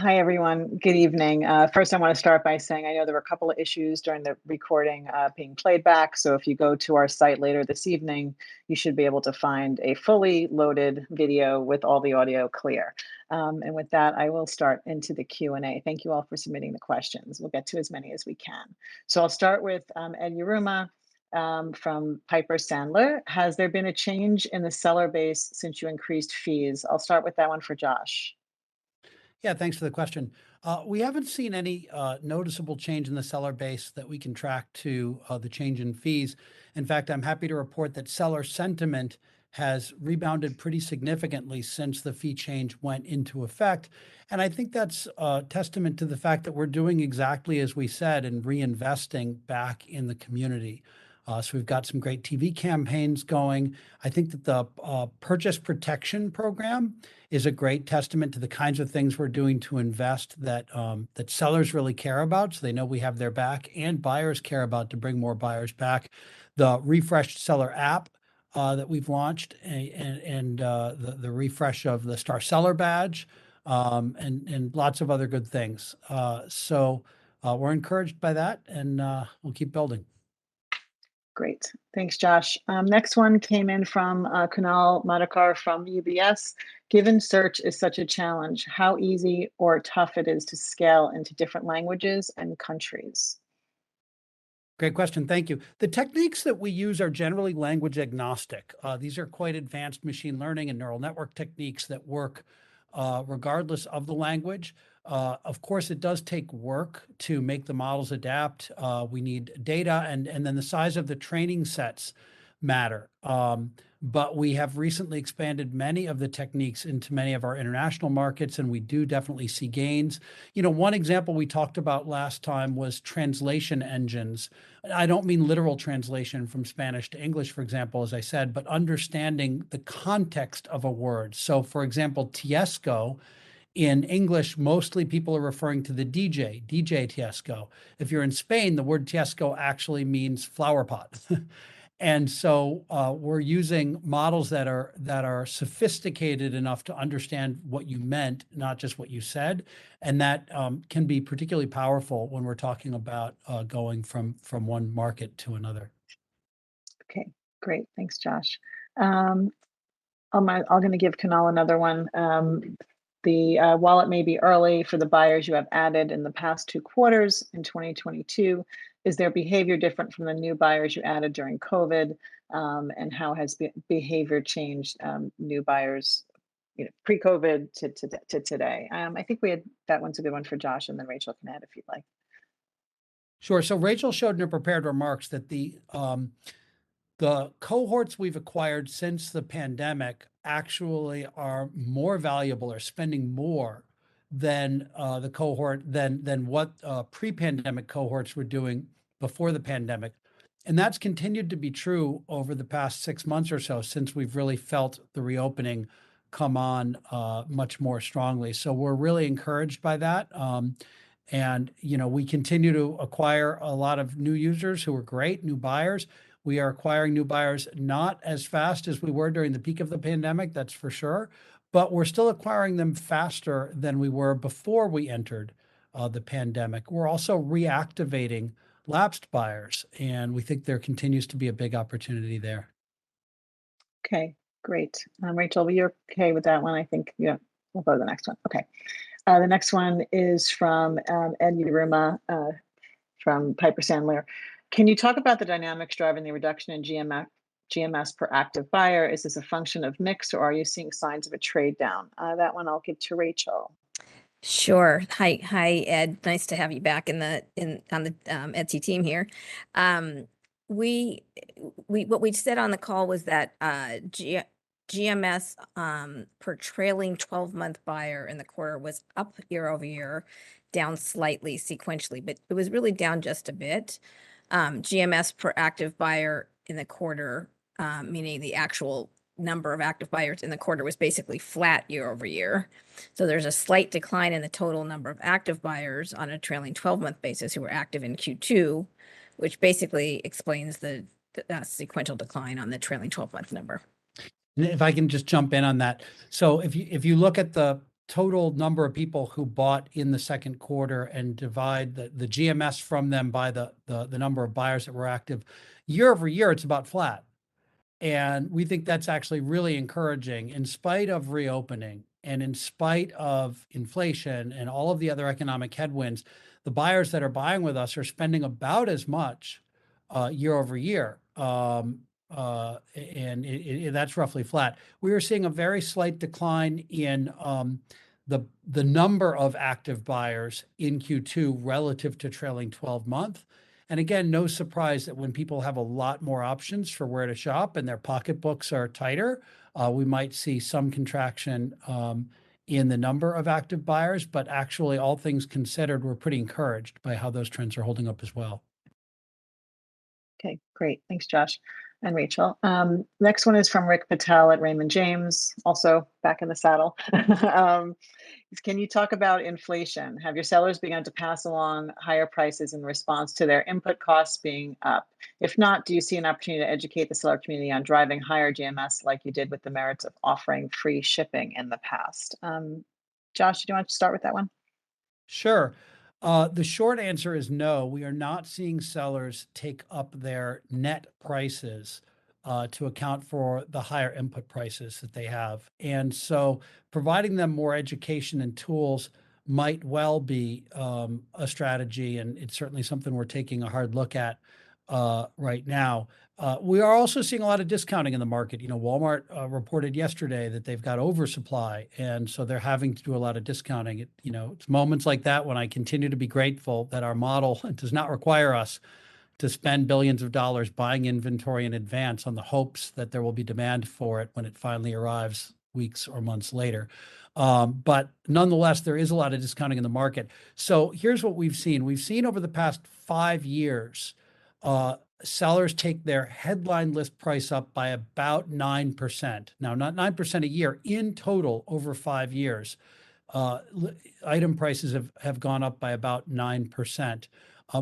[SPEAKER 1] Hi everyone. Good evening. First, I wanna start by saying I know there were a couple of issues during the recording being played back, so if you go to our site later this evening, you should be able to find a fully loaded video with all the audio clear. And with that, I will start into the Q&A. Thank you all for submitting the questions. We'll get to as many as we can. I'll start with Edward Yruma from Piper Sandler. Has there been a change in the seller base since you increased fees? I'll start with that one for Josh.
[SPEAKER 2] Yeah. Thanks for the question. We haven't seen any noticeable change in the seller base that we can track to the change in fees. In fact, I'm happy to report that seller sentiment has rebounded pretty significantly since the fee change went into effect, and I think that's testament to the fact that we're doing exactly as we said and reinvesting back in the community. We've got some great TV campaigns going. I think that the Etsy Purchase Protection program is a great testament to the kinds of things we're doing to invest in that sellers really care about, so they know we have their back, and buyers care about to bring more buyers back. The refreshed Etsy Seller app that we've launched and the refresh of the Star Seller badge and lots of other good things. We're encouraged by that, and we'll keep building.
[SPEAKER 1] Great. Thanks Josh. Next one came in from Kunal Madhukar from UBS. Given search is such a challenge, how easy or tough it is to scale into different languages and countries?
[SPEAKER 2] Great question. Thank you. The techniques that we use are generally language agnostic. These are quite advanced machine learning and neural network techniques that work regardless of the language. Of course it does take work to make the models adapt. We need data and then the size of the training sets matter. We have recently expanded many of the techniques into many of our international markets, and we do definitely see gains. You know, one example we talked about last time was translation engines. I don't mean literal translation from Spanish to English, for example, as I said, but understanding the context of a word. For example, Tisco in English, mostly people are referring to the DJ Tisco. If you're in Spain, the word Tisco actually means flower pot. We're using models that are sophisticated enough to understand what you meant, not just what you said, and that can be particularly powerful when we're talking about going from one market to another.
[SPEAKER 1] Okay. Great. Thanks Josh. I'm gonna give Kunal another one. While it may be early for the buyers you have added in the past two quarters in 2022, is their behavior different from the new buyers you added during COVID? How has behavior changed, new buyers, you know, pre-COVID to today. That one's a good one for Josh, and then Rachel can add if you'd like.
[SPEAKER 2] Sure. Rachel showed in her prepared remarks that the cohorts we've acquired since the pandemic actually are more valuable, are spending more than the cohort than what pre-pandemic cohorts were doing before the pandemic, and that's continued to be true over the past six months or so since we've really felt the reopening come on much more strongly. We're really encouraged by that. You know, we continue to acquire a lot of new users who are great, new buyers. We are acquiring new buyers not as fast as we were during the peak of the pandemic, that's for sure, but we're still acquiring them faster than we were before we entered the pandemic. We're also reactivating lapsed buyers, and we think there continues to be a big opportunity there.
[SPEAKER 1] Okay. Great. Rachel, were you okay with that one, I think? Yeah. We'll go to the next one. Okay. The next one is from Edward Yruma from Piper Sandler. Can you talk about the dynamics driving the reduction in GMS per active buyer? Is this a function of mix, or are you seeing signs of a trade down? That one I'll give to Rachel.
[SPEAKER 3] Sure. Hi, Ed. Nice to have you back on the Etsy team here. What we'd said on the call was that GMS per trailing 12-month buyer in the quarter was up year-over-year, down slightly sequentially, but it was really down just a bit. GMS per active buyer in the quarter, meaning the actual number of active buyers in the quarter, was basically flat year-over-year. There's a slight decline in the total number of active buyers on a trailing 12-month basis who were active in Q2, which basically explains the sequential decline on the trailing 12-month number.
[SPEAKER 2] If I can just jump in on that. If you look at the total number of people who bought in the Q2 and divide the GMS from them by the number of buyers that were active, year over year it's about flat. We think that's actually really encouraging. In spite of reopening, and in spite of inflation, and all of the other economic headwinds, the buyers that are buying with us are spending about as much year over year. That's roughly flat. We are seeing a very slight decline in the number of active buyers in Q2 relative to trailing 12-month. Again, no surprise that when people have a lot more options for where to shop, and their pocketbooks are tighter, we might see some contraction in the number of active buyers. Actually, all things considered, we're pretty encouraged by how those trends are holding up as well.
[SPEAKER 1] Okay. Great. Thanks, Josh and Rachel. Next one is from Rick Patel at Raymond James, also back in the saddle. Can you talk about inflation? Have your sellers begun to pass along higher prices in response to their input costs being up? If not, do you see an opportunity to educate the seller community on driving higher GMS like you did with the merits of offering free shipping in the past? Josh, do you want to start with that one?
[SPEAKER 2] Sure. The short answer is no. We are not seeing sellers take up their net prices to account for the higher input prices that they have. Providing them more education and tools might well be a strategy, and it's certainly something we're taking a hard look at right now. We are also seeing a lot of discounting in the market. You know, Walmart reported yesterday that they've got oversupply, and so they're having to do a lot of discounting. You know, it's moments like that when I continue to be grateful that our model does not require us to spend billions of dollars buying inventory in advance on the hopes that there will be demand for it when it finally arrives weeks or months later. But nonetheless, there is a lot of discounting in the market. Here's what we've seen. We've seen over the past five years, sellers take their headline list price up by about 9%. Now, not 9% a year, in total over five years, item prices have gone up by about 9%.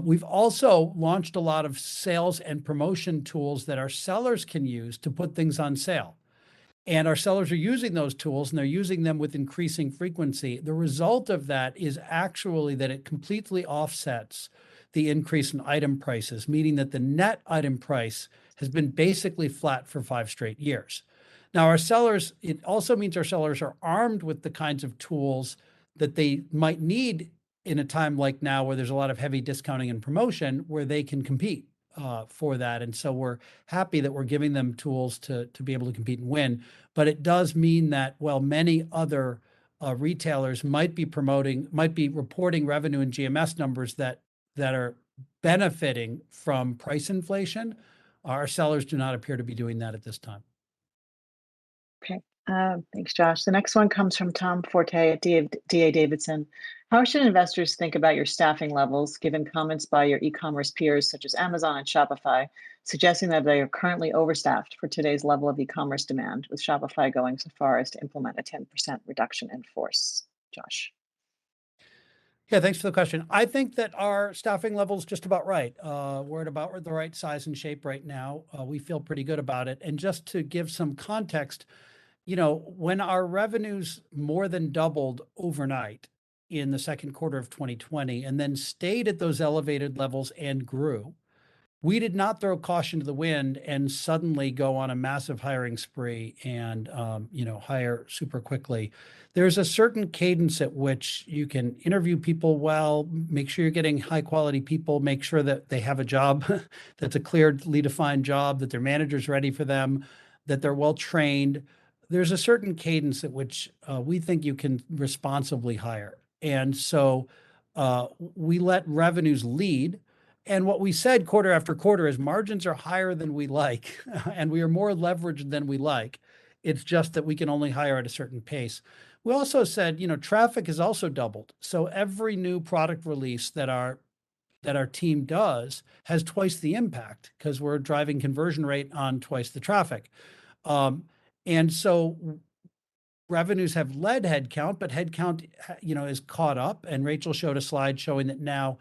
[SPEAKER 2] We've also launched a lot of sales and promotion tools that our sellers can use to put things on sale. Our sellers are using those tools, and they're using them with increasing frequency. The result of that is actually that it completely offsets the increase in item prices, meaning that the net item price has been basically flat for five straight years. Now, it also means our sellers are armed with the kinds of tools that they might need in a time like now, where there's a lot of heavy discounting and promotion, where they can compete for that. We're happy that we're giving them tools to be able to compete and win. It does mean that while many other retailers might be promoting, might be reporting revenue and GMS numbers that are benefiting from price inflation, our sellers do not appear to be doing that at this time.
[SPEAKER 1] Okay, thanks, Josh. The next one comes from Tom Forte at D.A. Davidson. How should investors think about your staffing levels, given comments by your e-commerce peers, such as Amazon and Shopify, suggesting that they are currently overstaffed for today's level of e-commerce demand, with Shopify going so far as to implement a 10% reduction in force? Josh.
[SPEAKER 2] Yeah, thanks for the question. I think that our staffing level is just about right. We're at about the right size and shape right now. We feel pretty good about it. Just to give some context, you know, when our revenues more than doubled overnight in the Q2 of 2020, and then stayed at those elevated levels and grew, we did not throw caution to the wind and suddenly go on a massive hiring spree and, you know, hire super quickly. There's a certain cadence at which you can interview people well, make sure you're getting high-quality people, make sure that they have a job that's a clearly defined job, that their manager's ready for them, that they're well trained. There's a certain cadence at which we think you can responsibly hire. We let revenues lead. What we said quarter after quarter is, "Margins are higher than we like, and we are more leveraged than we like. It's just that we can only hire at a certain pace." We also said, you know, traffic has also doubled. So, every new product release that our team does has twice the impact, cause we're driving conversion rate on twice the traffic. Revenues have led headcount, but headcount, you know, has caught up. Rachel showed a slide showing that now,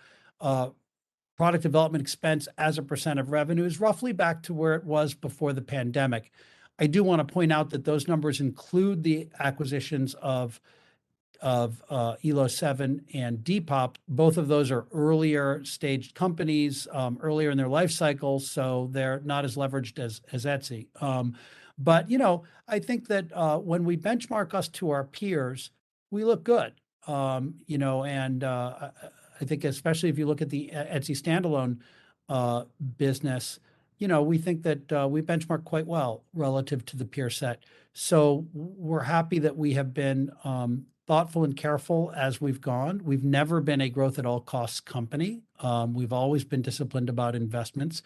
[SPEAKER 2] product development expense as a % of revenue is roughly back to where it was before the pandemic. I do wanna point out that those numbers include the acquisitions of Elo7 and Depop. Both of those are earlier-stage companies, earlier in their life cycles, so they're not as leveraged as Etsy. You know, I think that when we benchmark ourselves to our peers, we look good. You know, I think especially if you look at the Etsy standalone business, you know, we think that we benchmark quite well relative to the peer set. We're happy that we have been thoughtful and careful as we've gone. We've never been a growth at all costs company. We've always been disciplined about investments.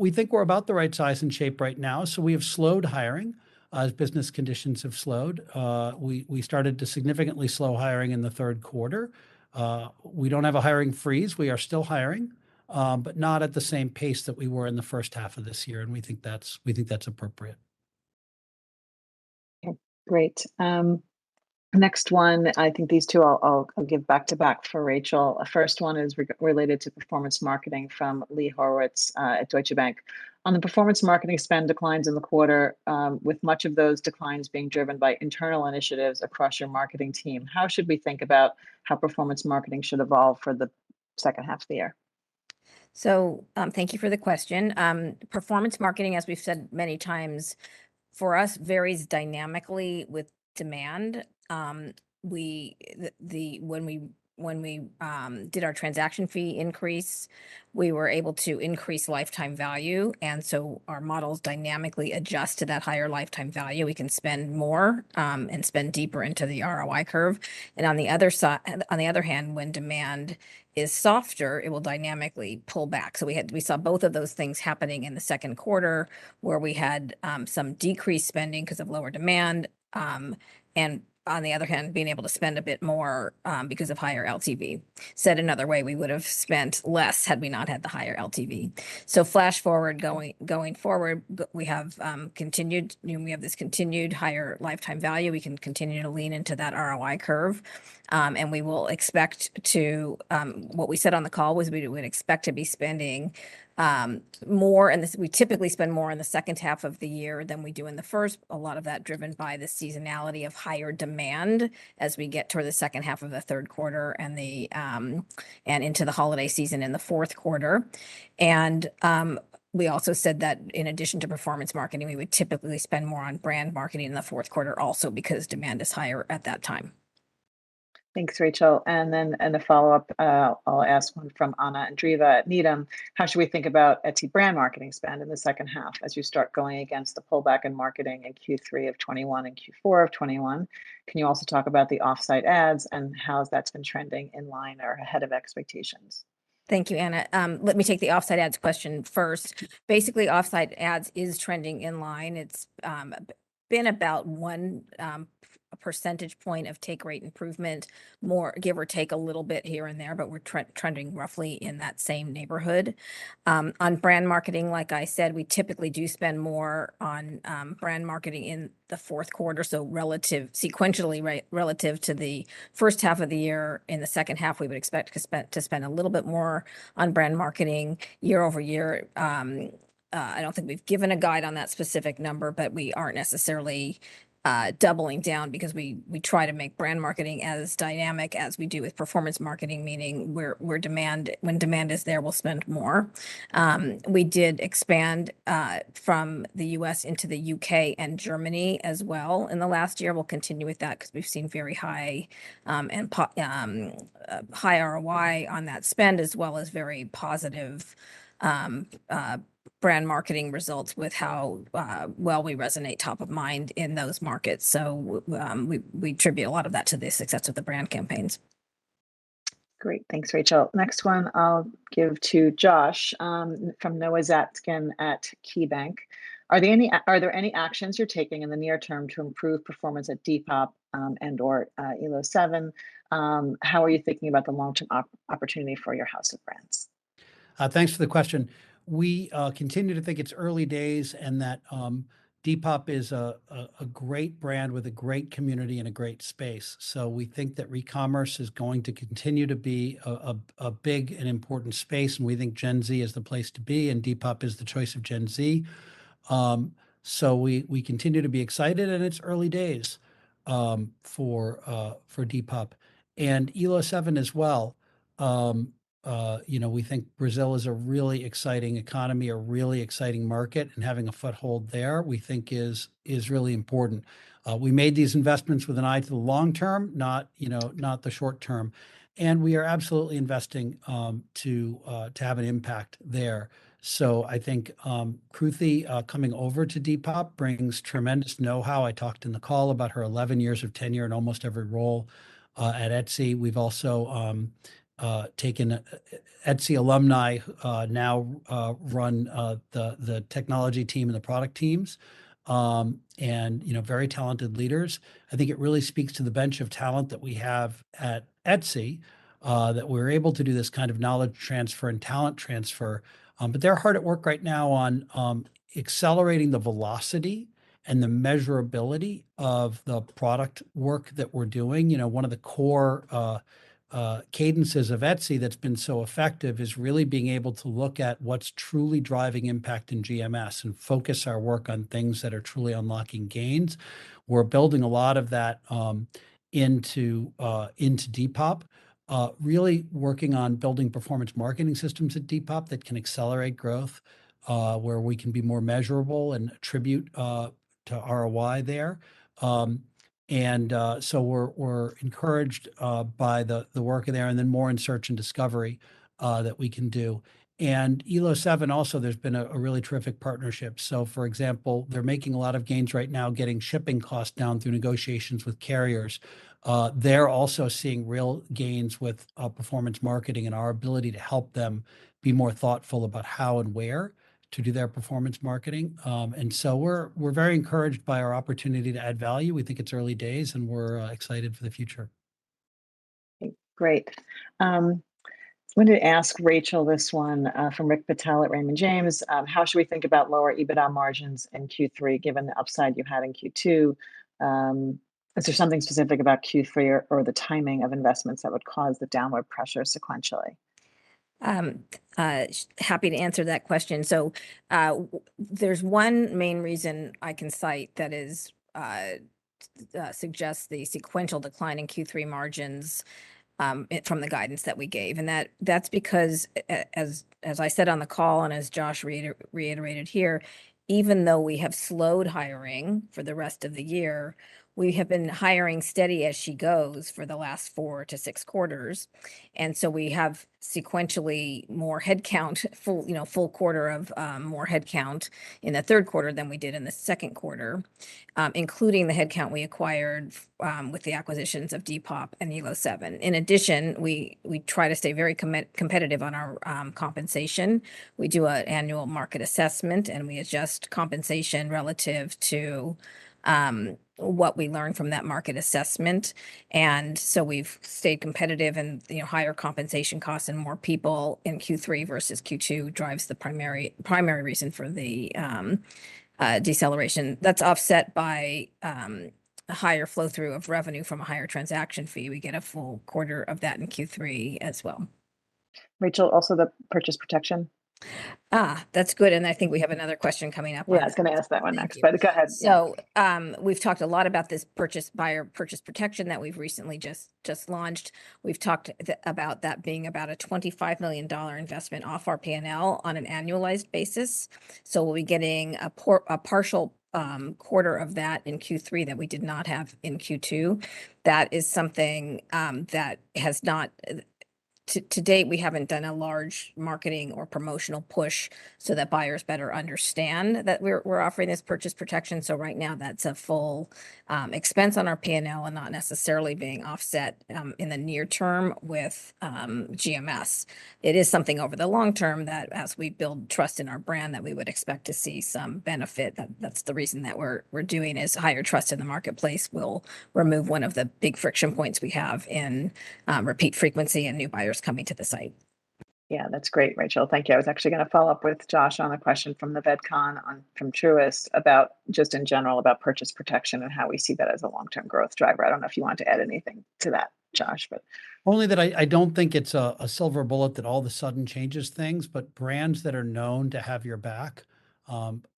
[SPEAKER 2] We think we're about the right size and shape right now, so we have slowed hiring as business conditions have slowed. We started to significantly slow hiring in the third quarter. We don't have a hiring freeze. We are still hiring, but not at the same pace that we were in the first half of this year, and we think that's appropriate.
[SPEAKER 1] Okay, great. Next one, I think these two I'll give back to back for Rachel. First one is related to performance marketing from Lee Horowitz at Deutsche Bank. On the performance marketing spend declines in the quarter, with much of those declines being driven by internal initiatives across your marketing team, how should we think about how performance marketing should evolve for the second half of the year?
[SPEAKER 3] Thank you for the question. Performance marketing, as we've said many times, for us varies dynamically with demand. When we did our transaction fee increase, we were able to increase lifetime value. Our models dynamically adjust to that higher lifetime value. We can spend more and spend deeper into the ROI curve. On the other hand, when demand is softer, it will dynamically pull back. We saw both of those things happening in the Q2, where we had some decreased spending because of lower demand. On the other hand, being able to spend a bit more because of higher LTV. Said another way, we would have spent less had we not had the higher LTV. Fast forward, going forward, we have continued, you know, we have this continued higher lifetime value. We can continue to lean into that ROI curve. What we said on the call was we expect to be spending more. We typically spend more in the second half of the year than we do in the first. A lot of that driven by the seasonality of higher demand as we get toward the second half of the third quarter and into the holiday season in the fourth quarter. We also said that in addition to performance marketing, we would typically spend more on brand marketing in the fourth quarter also because demand is higher at that time.
[SPEAKER 1] Thanks, Rachel. In a follow-up, I'll ask one from Anna Andreeva at Needham. How should we think about Etsy brand marketing spend in the second half as you start going against the pullback in marketing in Q3 of 2021 and Q4 of 2021? Can you also talk about the off-site ads and how that's been trending in line or ahead of expectations?
[SPEAKER 3] Thank you, Anna. Let me take the off-site ads question first. Basically, off-site ads is trending in line. It's been about 1 percentage point of take rate improvement, more give or take a little bit here and there, but we're trending roughly in that same neighborhood. On brand marketing, like I said, we typically do spend more on brand marketing in the fourth quarter, so sequentially relative to the first half of the year. In the second half, we would expect to spend a little bit more on brand marketing year-over-year. I don't think we've given a guide on that specific number, but we aren't necessarily doubling down because we try to make brand marketing as dynamic as we do with performance marketing, meaning when demand is there, we'll spend more. We did expand from the U.S. into the U.K. and Germany as well in the last year. We'll continue with that because we've seen very high ROI on that spend, as well as very positive brand marketing results with how well we resonate top of mind in those markets. We attribute a lot of that to the success of the brand campaigns.
[SPEAKER 1] Great. Thanks, Rachel. Next one I'll give to Josh from Noah Zatzkin at KeyBanc. Are there any actions you're taking in the near term to improve performance at Depop, and/or Elo7? How are you thinking about the long-term opportunity for your house of brands?
[SPEAKER 2] Thanks for the question. We continue to think it's early days and that Depop is a great brand with a great community and a great space. We think that recommerce is going to continue to be a big and important space, and we think Gen Z is the place to be, and Depop is the choice of Gen Z. We continue to be excited, and it's early days for Depop. Elo7 as well. You know, we think Brazil is a really exciting economy, a really exciting market, and having a foothold there we think is really important. We made these investments with an eye to the long term, not, you know, not the short term. We are absolutely investing to have an impact there. I think, Kruti, coming over to Depop brings tremendous know-how. I talked in the call about her 11 years of tenure in almost every role at Etsy. We've also taken Etsy alumni now run the technology team and the product teams. You know, very talented leaders. I think it really speaks to the bench of talent that we have at Etsy that we're able to do this kind of knowledge transfer and talent transfer. They're hard at work right now on accelerating the velocity and the measurability of the product work that we're doing. You know, one of the core cadences of Etsy that's been so effective is really being able to look at what's truly driving impact in GMS and focus our work on things that are truly unlocking gains. We're building a lot of that into Depop, really working on building performance marketing systems at Depop that can accelerate growth, where we can be more measurable and attribute to ROI there. We're encouraged by the work there, and then more in search and discovery that we can do. Elo7 also, there's been a really terrific partnership. For example, they're making a lot of gains right now getting shipping costs down through negotiations with carriers. They're also seeing real gains with performance marketing and our ability to help them be more thoughtful about how and where to do their performance marketing. We're very encouraged by our opportunity to add value. We think it's early days, and we're excited for the future.
[SPEAKER 1] Great. I wanted to ask Rachel this one, from Rick Patel at Raymond James. How should we think about lower EBITDA margins in Q3 given the upside you had in Q2? Is there something specific about Q3 or the timing of investments that would cause the downward pressure sequentially?
[SPEAKER 3] Happy to answer that question. There's one main reason I can cite that is the guidance suggests the sequential decline in Q3 margins from the guidance that we gave. That's because, as I said on the call and as Josh reiterated here, even though we have slowed hiring for the rest of the year, we have been hiring steady as she goes for the last four to six quarters. We have sequentially more headcount, full, you know, full quarter of more headcount in the third quarter than we did in the Q2, including the headcount we acquired with the acquisitions of Depop and Elo7. In addition, we try to stay very competitive on our compensation. We do an annual market assessment, and we adjust compensation relative to what we learn from that market assessment. We've stayed competitive and, you know, higher compensation costs and more people in Q3 versus Q2 drives the primary reason for the deceleration. That's offset by a higher flow-through of revenue from a higher transaction fee. We get a full quarter of that in Q3 as well.
[SPEAKER 1] Rachel, also the Purchase Protection.
[SPEAKER 3] That's good, and I think we have another question coming up.
[SPEAKER 1] Yeah, I was gonna ask that one next, but go ahead.
[SPEAKER 3] We've talked a lot about this purchase, buyer purchase protection that we've recently just launched. We've talked about that being about a $25 million investment off our P&L on an annualized basis. We'll be getting a partial quarter of that in Q3 that we did not have in Q2. That is something that has not. To date, we haven't done a large marketing or promotional push so that buyers better understand that we're offering this purchase protection. Right now that's a full expense on our P&L and not necessarily being offset in the near term with GMS. It is something over the long term that as we build trust in our brand that we would expect to see some benefit. That's the reason that we're doing is higher trust in the marketplace will remove one of the big friction points we have in repeat frequency and new buyers coming to the site.
[SPEAKER 1] Yeah, that's great, Rachel. Thank you. I was actually gonna follow up with Josh on a question from Youssef Squali from Truist about just in general about purchase protection and how we see that as a long-term growth driver. I don't know if you want to add anything to that, Josh, but.
[SPEAKER 2] Only that I don't think it's a silver bullet that all of a sudden changes things, but brands that are known to have your back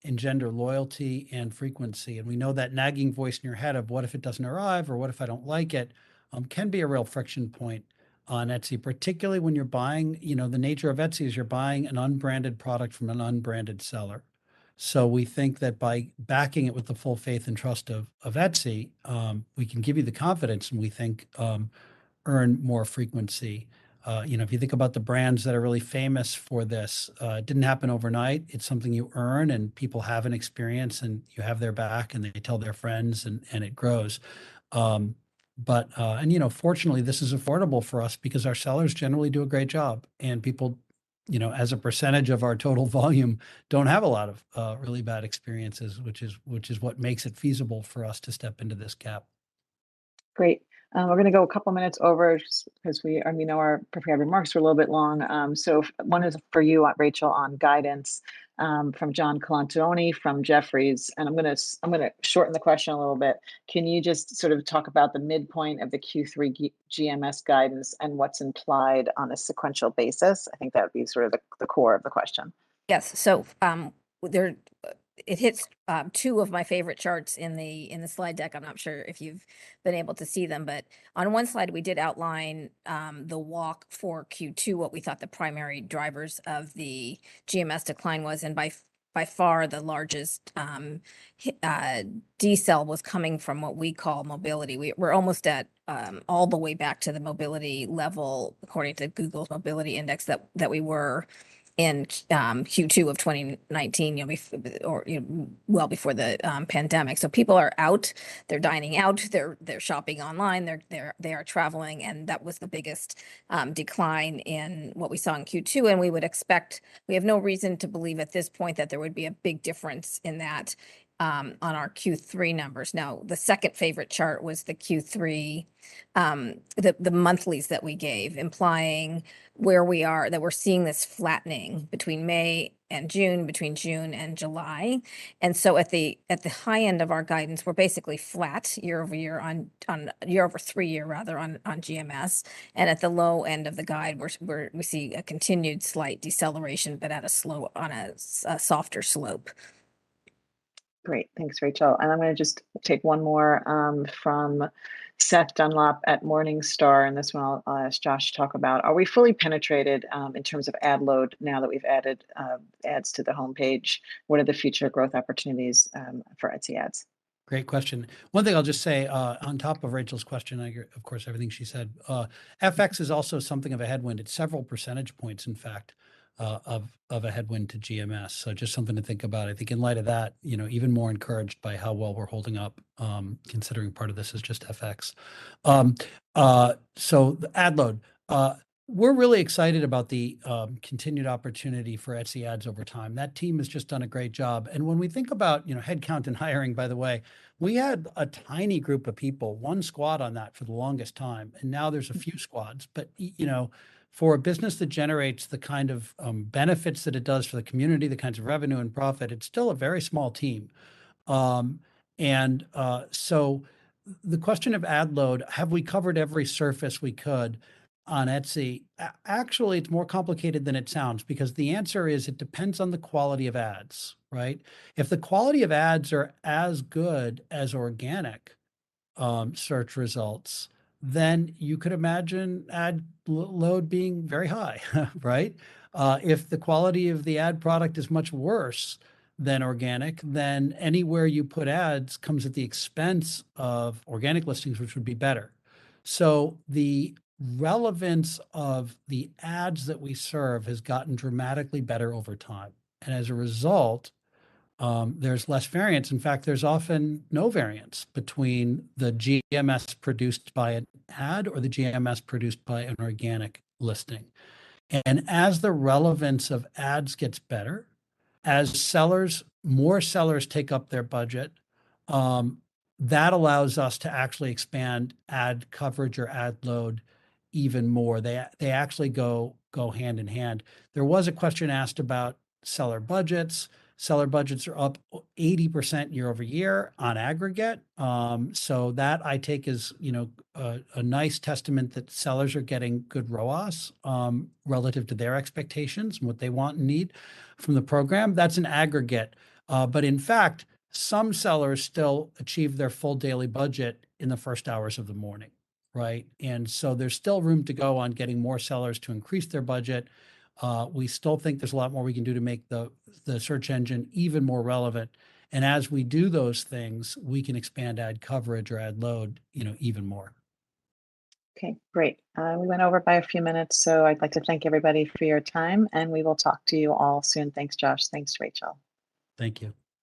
[SPEAKER 2] engender loyalty and frequency. We know that nagging voice in your head of what if it doesn't arrive, or what if I don't like it can be a real friction point on Etsy, particularly when you're buying. You know, the nature of Etsy is you're buying an unbranded product from an unbranded seller. We think that by backing it with the full faith and trust of Etsy we can give you the confidence, and we think earn more frequency. You know, if you think about the brands that are really famous for this, it didn't happen overnight. It's something you earn, and people have an experience, and you have their back, and they tell their friends, and it grows. But you know, fortunately, this is affordable for us because our sellers generally do a great job. People, you know, as a percentage of our total volume, don't have a lot of really bad experiences, which is what makes it feasible for us to step into this gap.
[SPEAKER 1] Great. We're gonna go a couple minutes over just because we, I mean, our prepared remarks were a little bit long. One is for you, Rachel, on guidance, from John Colantuoni from Jefferies, and I'm gonna shorten the question a little bit. Can you just sort of talk about the midpoint of the Q3 GMS guidance and what's implied on a sequential basis? I think that would be sort of the core of the question.
[SPEAKER 3] Yes. It hits two of my favorite charts in the slide deck. I'm not sure if you've been able to see them. On one slide, we did outline the walk for Q2, what we thought the primary drivers of the GMS decline was, and by far the largest decel was coming from what we call mobility. We're almost all the way back to the mobility level according to Google's mobility index that we were in Q2 of 2019, you know, or you know, well before the pandemic. People are out. They're dining out. They're shopping online. They're traveling, and that was the biggest decline in what we saw in Q2. We would expect. We have no reason to believe at this point that there would be a big difference in that on our Q3 numbers. Now, the second favorite chart was the Q3 monthlies that we gave, implying where we are, that we're seeing this flattening between May and June, between June and July. At the high end of our guidance, we're basically flat year-over-year on GMS. At the low end of the guide, we see a continued slight deceleration, but on a softer slope.
[SPEAKER 1] Great. Thanks, Rachel. I'm gonna just take one more from Seth Goldstein at Morningstar, and this one I'll ask Josh to talk about. Are we fully penetrated in terms of ad load now that we've added ads to the homepage? What are the future growth opportunities for Etsy Ads?
[SPEAKER 2] Great question. One thing I'll just say, on top of Rachel's question, I agree, of course, everything she said. FX is also something of a headwind. It's several percentage points, in fact, of a headwind to GMS, so just something to think about. I think in light of that, you know, even more encouraged by how well we're holding up, considering part of this is just FX. The ad load, we're really excited about the continued opportunity for Etsy Ads over time. That team has just done a great job. When we think about, you know, headcount and hiring, by the way, we had a tiny group of people, one squad on that for the longest time, and now there's a few squads. You know, for a business that generates the kind of benefits that it does for the community, the kinds of revenue and profit, it's still a very small team. The question of ad load, have we covered every surface we could on Etsy? Actually, it's more complicated than it sounds because the answer is it depends on the quality of ads, right? If the quality of ads are as good as organic search results, then you could imagine ad load being very high, right? If the quality of the ad product is much worse than organic, then anywhere you put ads comes at the expense of organic listings, which would be better. The relevance of the ads that we serve has gotten dramatically better over time. As a result, there's less variance. In fact, there's often no variance between the GMS produced by an ad or the GMS produced by an organic listing. As the relevance of ads gets better, as sellers more sellers take up their budget, that allows us to actually expand ad coverage or ad load even more. They actually go hand in hand. There was a question asked about seller budgets. Seller budgets are up 80% year-over-year on aggregate, so that I take as, you know, a nice testament that sellers are getting good ROAS relative to their expectations and what they want and need from the program. That's an aggregate, but in fact, some sellers still achieve their full daily budget in the first hours of the morning, right? There's still room to go on getting more sellers to increase their budget. We still think there's a lot more we can do to make the search engine even more relevant. As we do those things, we can expand ad coverage or ad load, you know, even more.
[SPEAKER 1] Okay. Great. We went over by a few minutes, so I'd like to thank everybody for your time, and we will talk to you all soon. Thanks, Josh. Thanks, Rachel.
[SPEAKER 2] Thank you.